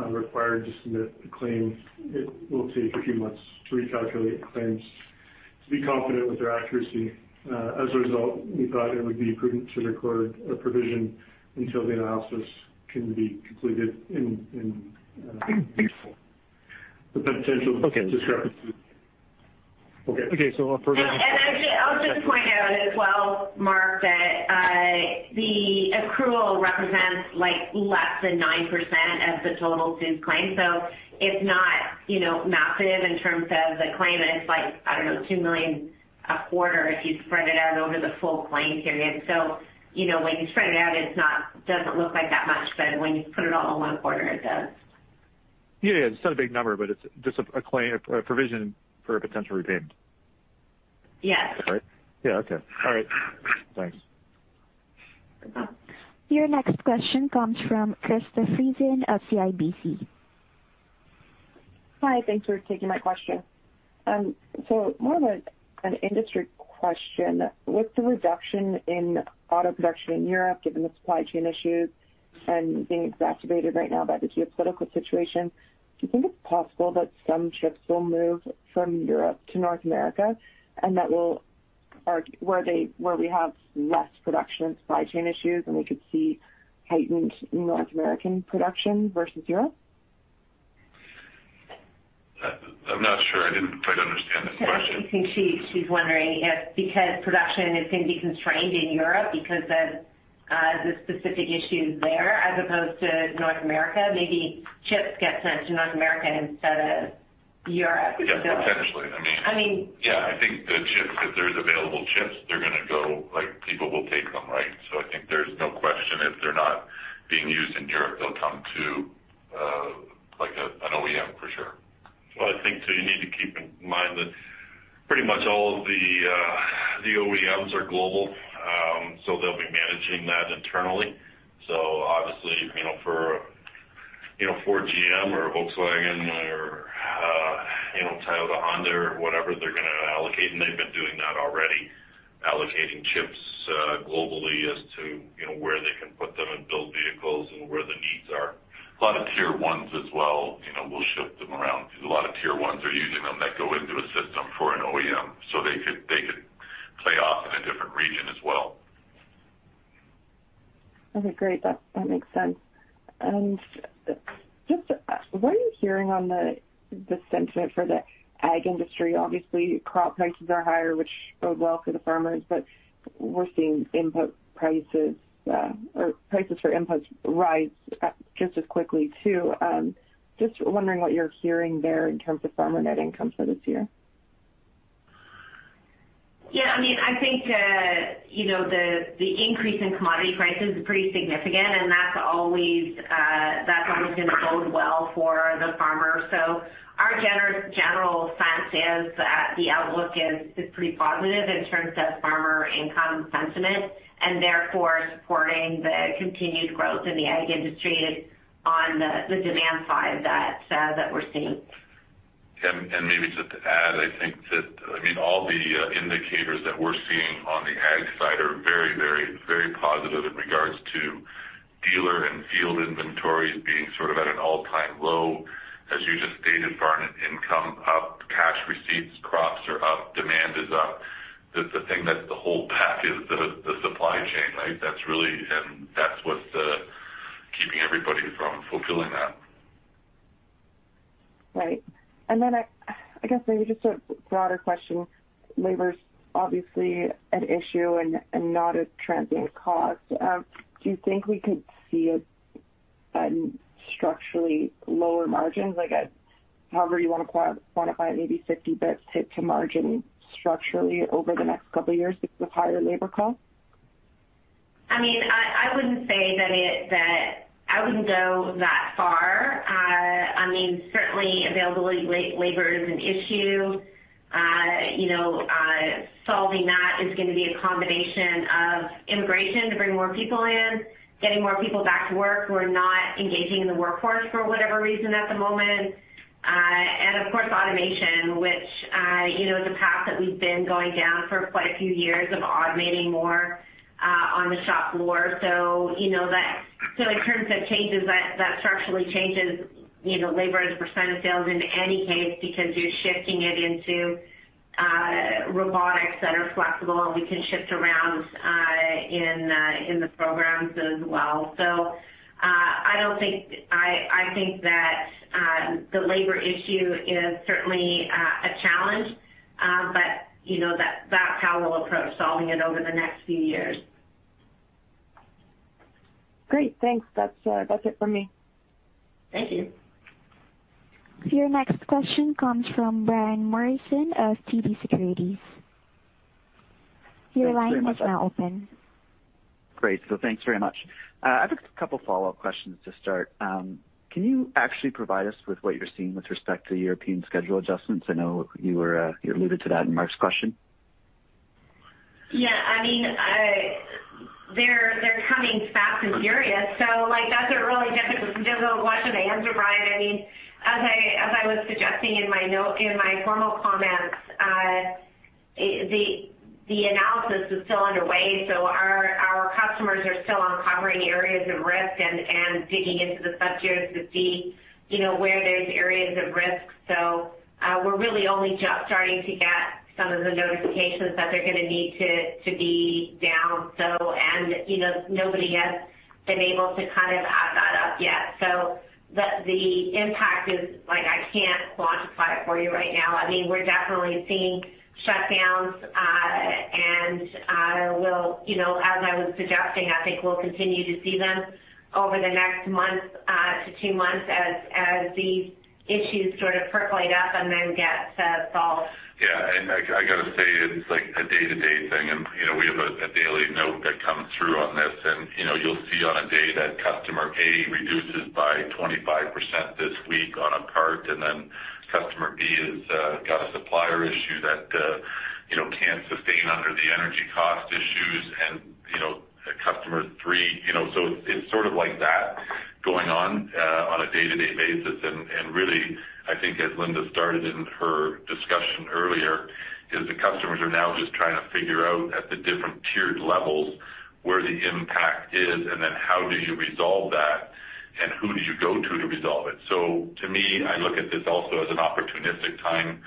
required to submit the claim, it will take a few months to recalculate the claims to be confident with their accuracy. As a result, we thought it would be prudent to record a provision until the analysis can be completed in the potential discrepancy. Actually, I'll just point out as well, Mark, that the accrual represents like less than 9% of the total CEWS claim. It's not, you know, massive in terms of the claim. It's like, I don't know, 2 million a quarter if you spread it out over the full claim period. You know, when you spread it out, it doesn't look like that much, but when you put it all in one quarter, it does. Yeah. It's not a big number, but it's just a claim, a provision for a potential repayment. Yes. Right? Yeah. Okay. All right. Thanks. Your next question comes from Krista Friesen of CIBC. Hi, thanks for taking my question. More of an industry question. With the reduction in auto production in Europe, given the supply chain issues and being exacerbated right now by the geopolitical situation, do you think it's possible that some chips will move from Europe to North America, where we have less production and supply chain issues, and we could see heightened North American production versus Europe? I'm not sure. I didn't quite understand the question. I think she's wondering if, because production is gonna be constrained in Europe because of the specific issues there as opposed to North America, maybe chips get sent to North America instead of Europe. Yeah. Potentially. I mean. Yeah, I think the chips, if there's available chips, they're gonna go. Like, people will take them, right? I think there's no question if they're not being used in Europe, they'll come to, like an OEM for sure. Well, I think, too, you need to keep in mind that pretty much all of the OEMs are global. They'll be managing that internally. Obviously, you know, for, you know, for GM or Volkswagen or, you know, Toyota, Honda or whatever, they're gonna allocate, and they've been doing that already, allocating chips globally as to, you know, where they can put them and build vehicles and where the needs are. A lot of tier ones as well, you know, will shift them around. A lot of tier ones are using them, that go into a system for an OEM, so they could play off in a different region as well. Okay, great. That makes sense. Just what are you hearing on the sentiment for the ag industry? Obviously, crop prices are higher, which bode well for the farmers, but we're seeing input prices, or prices for inputs rise, just as quickly too. Just wondering what you're hearing there in terms of farmer net income for this year. Yeah, I mean, I think, you know, the increase in commodity prices is pretty significant, and that's always gonna bode well for the farmers. Our general sense is that the outlook is pretty positive in terms of farmer income sentiment and therefore supporting the continued growth in the ag industry. On the demand side, that's we're seeing. Maybe just to add, I think that, I mean, all the indicators that we're seeing on the ag side are very positive in regards to dealer and field inventories being sort of at an all-time low. As you just stated, farm net income up, cash receipts, crops are up, demand is up. The thing that's holding back is the supply chain, right? That's really what's keeping everybody from fulfilling that. Right. I guess maybe just a broader question. Labor's obviously an issue and not a transient cost. Do you think we could see a structurally lower margins, I guess? However you wanna quantify it, maybe 50 basis points hit to margin structurally over the next couple of years with higher labor costs? I mean, I wouldn't say that. I wouldn't go that far. I mean, certainly availability of labor is an issue. Solving that is gonna be a combination of immigration to bring more people in, getting more people back to work who are not engaging in the workforce for whatever reason at the moment. Of course, automation, which is a path that we've been going down for quite a few years of, automating more on the shop floor. In terms of changes that structurally changes labor as a percent of sales in any case, because you're shifting it into robotics that are flexible, and we can shift around in the programs as well. I think that the labor issue is certainly a challenge. You know, that's how we'll approach solving it over the next few years. Great. Thanks. That's it for me. Thank you. Your next question comes from Brian Morrison of TD Securities. Thanks very much. Your line is now open. Great. Thanks very much. I've just a couple follow-up questions to start. Can you actually provide us with what you're seeing with respect to European schedule adjustments? I know you alluded to that in Mark's question. Yeah. I mean, they're coming fast and furious, so, like, that's a really difficult question to answer, Brian. I mean, as I was suggesting in my formal comments, the analysis is still underway, so our customers are still uncovering areas of risk and digging into the sub-tiers to see, you know, where there's areas of risk. We're really only just starting to get some of the notifications that they're gonna need to be down. You know, nobody has been able to kind of add that up yet. The impact is, like, I can't quantify it for you right now. I mean, we're definitely seeing shutdowns. We'll, you know, as I was suggesting, I think we'll continue to see them over the next month to two months as these issues sort of percolate up and then get solved. Yeah. I gotta say, it's like a day-to-day thing. You know, we have a daily note that comes through on this, and, you know, you'll see on a day that customer A reduces by 25% this week on a part, and then customer B has got a supplier issue that, you know, can't sustain under the energy cost issues. You know, customer three, you know. It's sort of like that going on on a day-to-day basis. Really, I think, as Linda started in her discussion earlier, is the customers are now just trying to figure out at the different tiered levels where the impact is, and then how do you resolve that, and who do you go to to resolve it. To me, I look at this also as an opportunistic time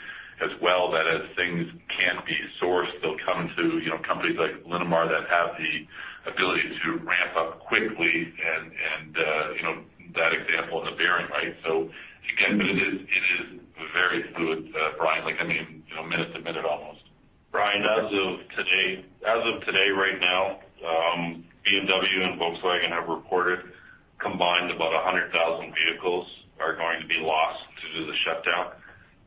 as well, that as things can't be sourced, they'll come to, you know, companies like Linamar that have the ability to ramp up quickly and, you know, that example in the bearing, right? Again, it is very fluid, Brian, like, I mean, you know, minute to minute almost. Brian, as of today right now, BMW and Volkswagen have reported combined about 100,000 vehicles are going to be lost due to the shutdown.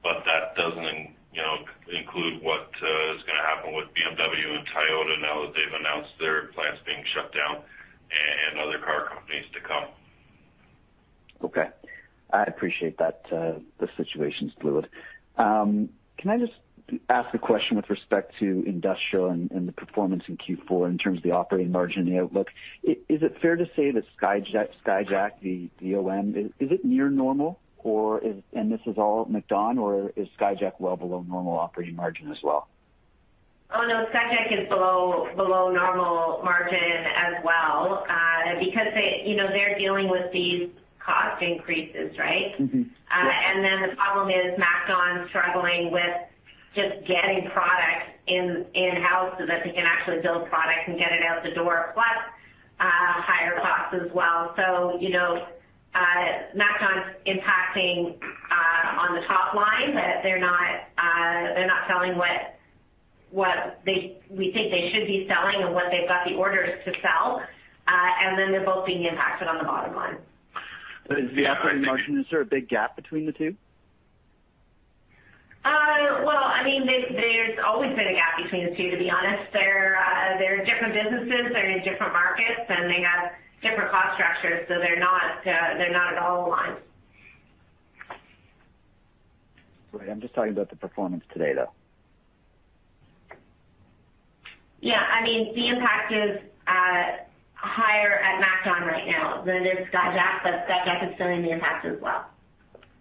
That doesn't, you know, include what is gonna happen with BMW and Toyota now that they've announced their plants being shut down, and other car companies to come. Okay. I appreciate that, the situation's fluid. Can I just ask a question with respect to industrial and the performance in Q4 in terms of the operating margin and the outlook? Is it fair to say that Skyjack, the OM, is it near normal or is this all MacDon, or is Skyjack well below normal operating margin as well? Oh, no, Skyjack is below normal margin as well, because they, you know, they're dealing with these cost increases, right? The problem is MacDon's struggling with just getting product in-house so that they can actually build product and get it out the door, plus higher costs as well. You know, MacDon's impacting on the top line that they're not selling what we think they should be selling and what they've got the orders to sell. They're both being impacted on the bottom line. Is the operating margin, is there a big gap between the two? Well, I mean, there's always been a gap between the two, to be honest. They're different businesses. They're in different markets, and they have different cost structures, so they're not at all aligned. Right. I'm just talking about the performance today, though. Yeah. I mean, the impact is higher at MacDon right now than it is Skyjack, but Skyjack is feeling the impact as well.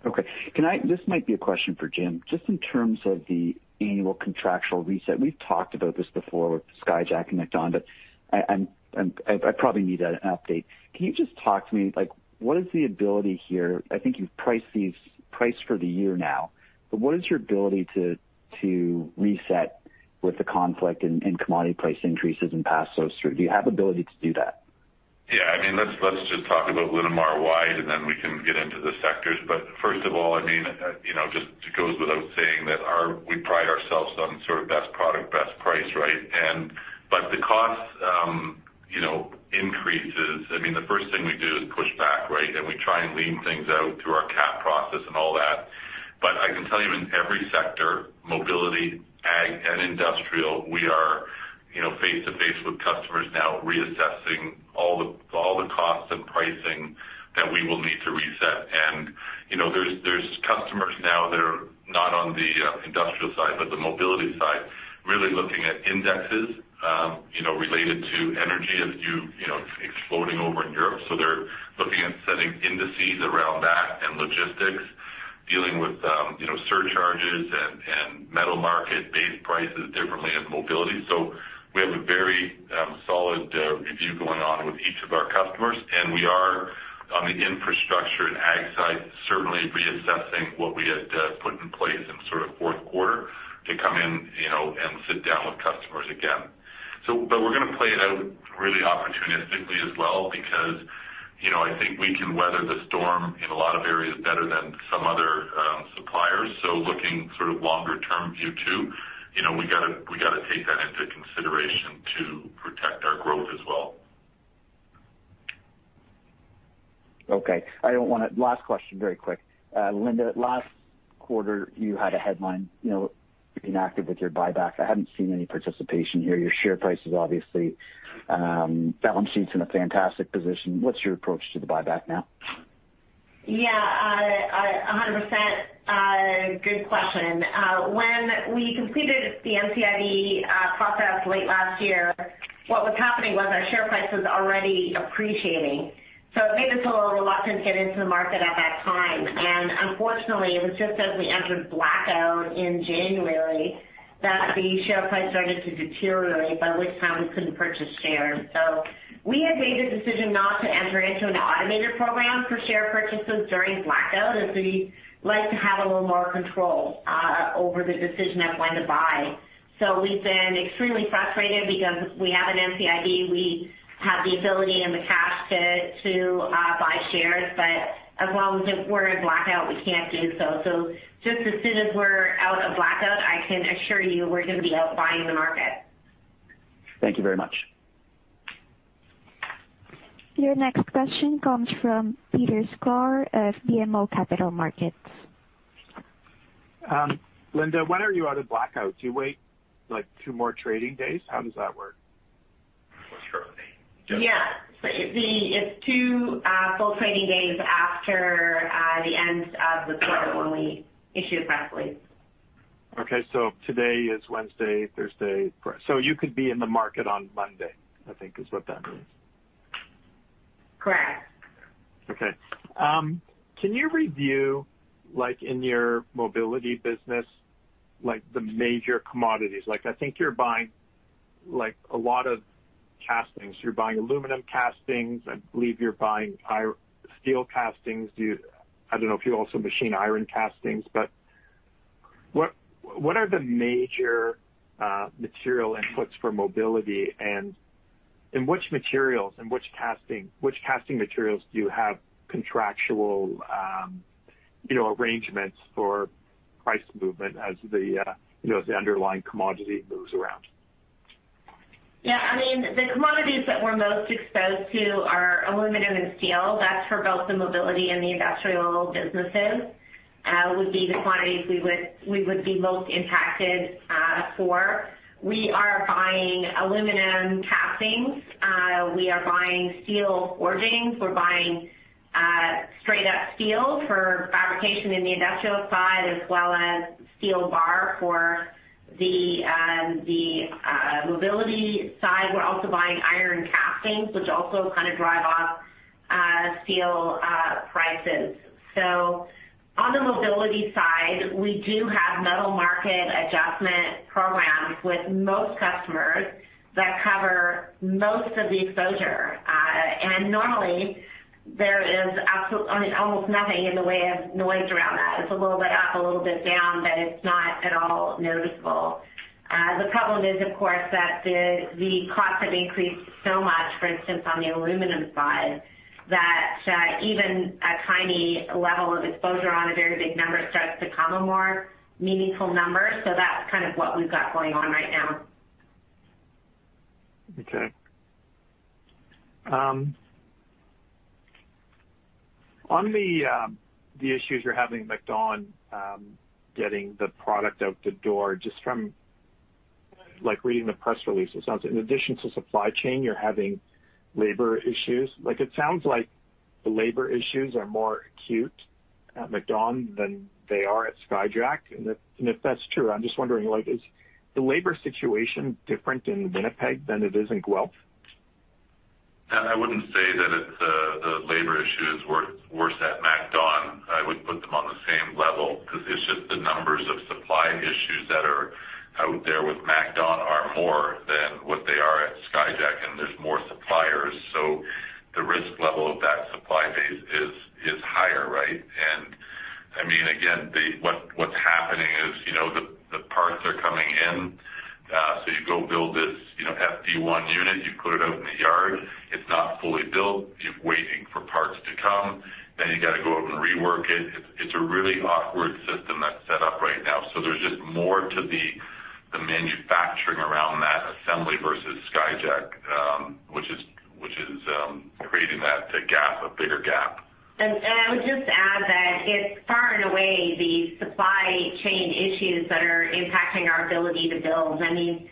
Okay. Can I? This might be a question for Jim. Just in terms of the annual contractual reset, we've talked about this before with Skyjack and MacDon, but I probably need an update. Can you just talk to me, like, what is the ability here? I think you've priced for the year now, but what is your ability to reset with the conflict and commodity price increases and pass those through? Do you have ability to do that? Yeah. I mean, let's just talk about Linamar-wide, and then we can get into the sectors. First of all, I mean, you know, just it goes without saying that we pride ourselves on sort of best product, best price, right? The cost, you know, increases. I mean, the first thing we do is push back, right? We try and lean things out through our CapEx process and all that. I can tell you in every sector, mobility, ag, and industrial, we are, you know, face-to-face with customers now reassessing all the costs and pricing that we will need to reset. You know, there's customers now that are not on the industrial side, but the mobility side, really looking at indexes, you know, related to energy as, you know, exploding over in Europe. They're looking at setting indices around that and logistics, dealing with fuel surcharges and metal market-based prices differently in mobility. We have a very solid review going on with each of our customers, and we are on the infrastructure and ag side, certainly reassessing what we had put in place in sort of fourth quarter to come in, you know, and sit down with customers again. But we're gonna play it out really opportunistically as well because, you know, I think we can weather the storm in a lot of areas better than some other suppliers. Looking sort of longer term view too, you know, we gotta take that into consideration to protect our growth as well. Last question, very quick. Linda, last quarter, you had a headline, you know, being active with your buyback. I haven't seen any participation here. Your share price is obviously, balance sheet's in a fantastic position. What's your approach to the buyback now? Yeah. 100%, good question. When we completed the NCIB process late last year, what was happening was our share price was already appreciating. It made us a little reluctant to get into the market at that time. Unfortunately, it was just as we entered blackout in January that the share price started to deteriorate, by which time we couldn't purchase shares. We have made the decision not to enter into an automated program for share purchases during blackout, as we like to have a little more control over the decision of when to buy. We've been extremely frustrated because we have an NCIB. We have the ability and the cash to buy shares. But as long as we're in blackout, we can't do so. Just as soon as we're out of blackout, I can assure you we're gonna be out buying the market. Thank you very much. Your next question comes from Peter Sklar of BMO Capital Markets. Linda, when are you out of blackout? Do you wait, like, two more trading days? How does that work, for sure? Yeah. It's two full trading days after the end of the quarter when we issue the press release. Okay. Today is Wednesday, Thursday. You could be in the market on Monday, I think is what that means. Correct. Okay. Can you review, like, in your mobility business, like, the major commodities? Like, I think you're buying, like, a lot of castings. You're buying aluminum castings. I believe you're buying steel castings. I don't know if you also machine iron castings, but what are the major material inputs for mobility? And in which materials, in which casting materials do you have contractual, you know, arrangements for price movement as the, you know, as the underlying commodity moves around? Yeah. I mean, the commodities that we're most exposed to are aluminum and steel. That's for both the mobility and the industrial businesses, would be the quantities we would be most impacted for. We are buying aluminum castings. We are buying steel forgings. We're buying straight up steel for fabrication in the Industrial side as well as steel bar for the mobility side. We're also buying iron castings, which also kind of driven by steel prices. So on the mobility side, we do have metal market adjustment programs with most customers that cover most of the exposure. Normally, there is I mean, almost nothing in the way of noise around that. It's a little bit up, a little bit down, but it's not at all noticeable. The problem is, of course, that the costs have increased so much, for instance, on the aluminum side, that even a tiny level of exposure on a very big number starts to become a more meaningful number. That's kind of what we've got going on right now. Okay. On the issues you're having with MacDon, getting the product out the door, just from like reading the press releases, it sounds in addition to supply chain, you're having labor issues. Like, it sounds like the labor issues are more acute at MacDon than they are at Skyjack. If that's true, I'm just wondering, like, is the labor situation different in Winnipeg than it is in Guelph? I wouldn't say that it's the labor issue is worse at MacDon. I would put them on the same level because it's just the numbers of supply issues that are out there with MacDon are more than what they are at Skyjack, and there's more suppliers. The risk level of that supply base is higher, right? I mean, again, what's happening is, you know, the parts are coming in, so you go build this, you know, SD-one unit, you put it out in the yard. It's not fully built. You're waiting for parts to come, then you gotta go out and rework it. It's a really awkward system that's set up right now. There's just more to the manufacturing around that assembly versus Skyjack, which is creating that gap, a bigger gap. I would just add that it's far and away the supply chain issues that are impacting our ability to build. I mean,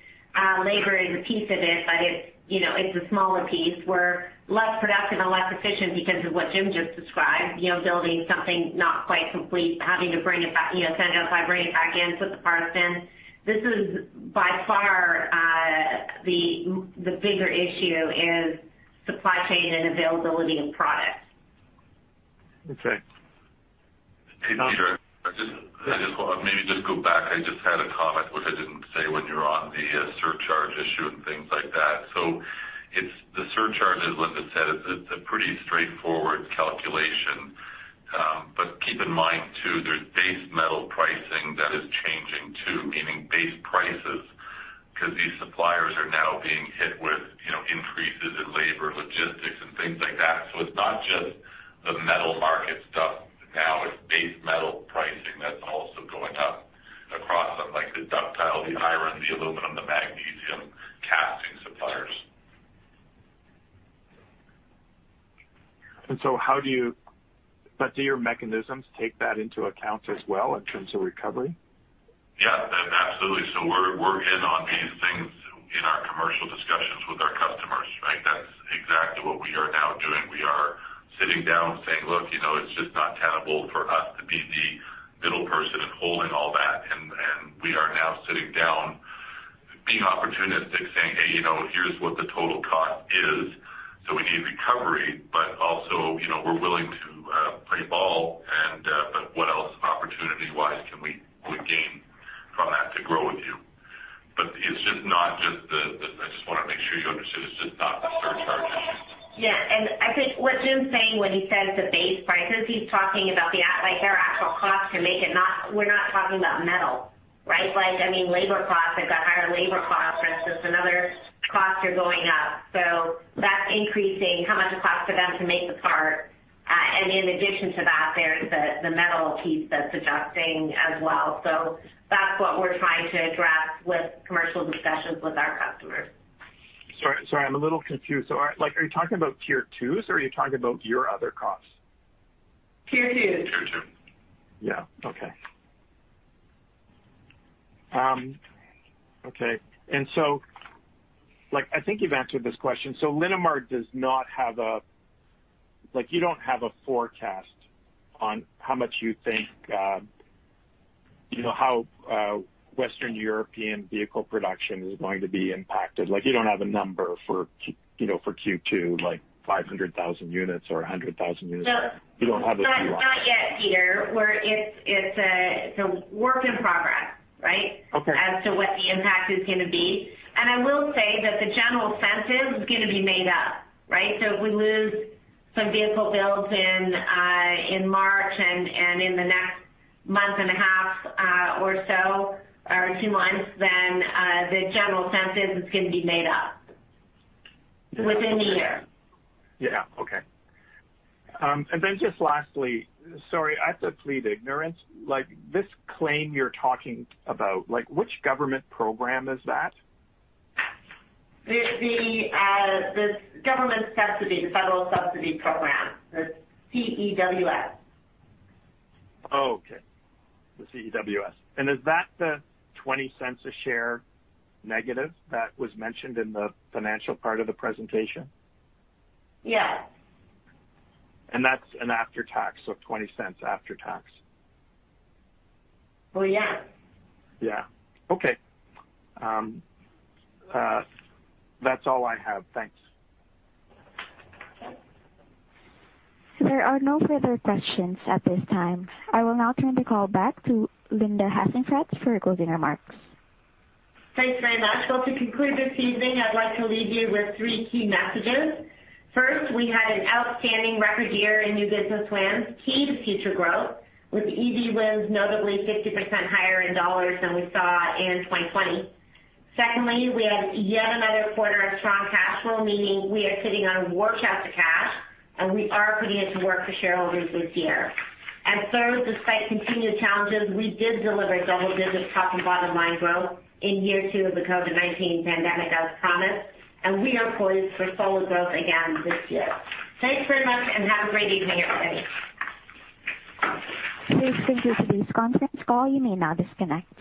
labor is a piece of it, but it's, you know, it's a smaller piece. We're less productive and less efficient because of what Jim just described. You know, building something not quite complete, having to bring it back, you know, send it out, bring it back in, put the parts in. This is by far the bigger issue is supply chain and availability of product. Okay. Hey, Peter, I just want maybe just go back. I just had a comment, which I didn't say when you were on the surcharge issue and things like that. It's the surcharge, as Linda said, it's a pretty straightforward calculation. But keep in mind, too, there's base metal pricing that is changing, too, meaning base prices, because these suppliers are now being hit with, you know, increases in labor, logistics and things like that. It's not just the metal market stuff now, it's base metal pricing that's also going up across them, like the ductile, the iron, the aluminum, the magnesium casting suppliers. Do your mechanisms take that into account as well in terms of recovery? Yeah, absolutely. We're in on these things in our commercial discussions with our customers, right? That's exactly what we are now doing. We are sitting down saying, "Look, you know, it's just not tenable for us to be the middle person and holding all that." We are now sitting down being opportunistic, saying, "Hey, you know, here's what the total cost is. We need recovery, but also, you know, we're willing to play ball and but what else opportunity-wise can we gain from that to grow with you?" It's just not the surcharge. I just wanna make sure you understand it's just not the surcharge. I think what Jim's saying when he says the base prices, he's talking about the, like, their actual cost to make it. We're not talking about metal, right? Like, I mean, labor costs have got higher. Labor costs versus other costs are going up. That's increasing how much it costs for them to make the part. In addition to that, there's the metal piece that's adjusting as well. That's what we're trying to address with commercial discussions with our customers. Sorry, I'm a little confused. Like, are you talking about tier twos or are you talking about your other costs? Tier twos. Tier two. Yeah. Okay. Like, I think you've answered this question. Linamar does not have a forecast on how much you think, you know, how Western European vehicle production is going to be impacted. Like, you don't have a number for, you know, for Q2, like 500,000 units or 100,000 units. No. You don't have a view on it. Not yet, Peter. It's a work in progress, right? Okay. As to what the impact is gonna be. I will say that the general sense is it's gonna be made up, right? If we lose some vehicle builds in March and in the next month and a half, or so or two months, then the general sense is it's gonna be made up within the year. Yeah. Okay. Just lastly, sorry, I have to plead ignorance. Like, this claim you're talking about, like, which government program is that? The government subsidy, the federal subsidy program, the CEWS. Oh, okay. The CEWS. Is that the 0.20 a share negative that was mentioned in the financial part of the presentation? Yes. That's an after-tax, so 0.20 after tax? Well, yeah. Yeah. Okay. That's all I have. Thanks. There are no further questions at this time. I will now turn the call back to Linda Hasenfratz for closing remarks. Thanks very much. Well, to conclude this evening, I'd like to leave you with three key messages. First, we had an outstanding record year in new business wins, key to future growth, with EV wins notably 50% higher in dollars than we saw in 2020. Secondly, we had yet another quarter of strong cash flow, meaning we are sitting on wads of cash, and we are putting it to work for shareholders this year. Third, despite continued challenges, we did deliver double-digit top and bottom line growth in year two of the COVID-19 pandemic, as promised, and we are poised for solid growth again this year. Thanks very much and have a great evening, everybody. This concludes today's conference call. You may now disconnect.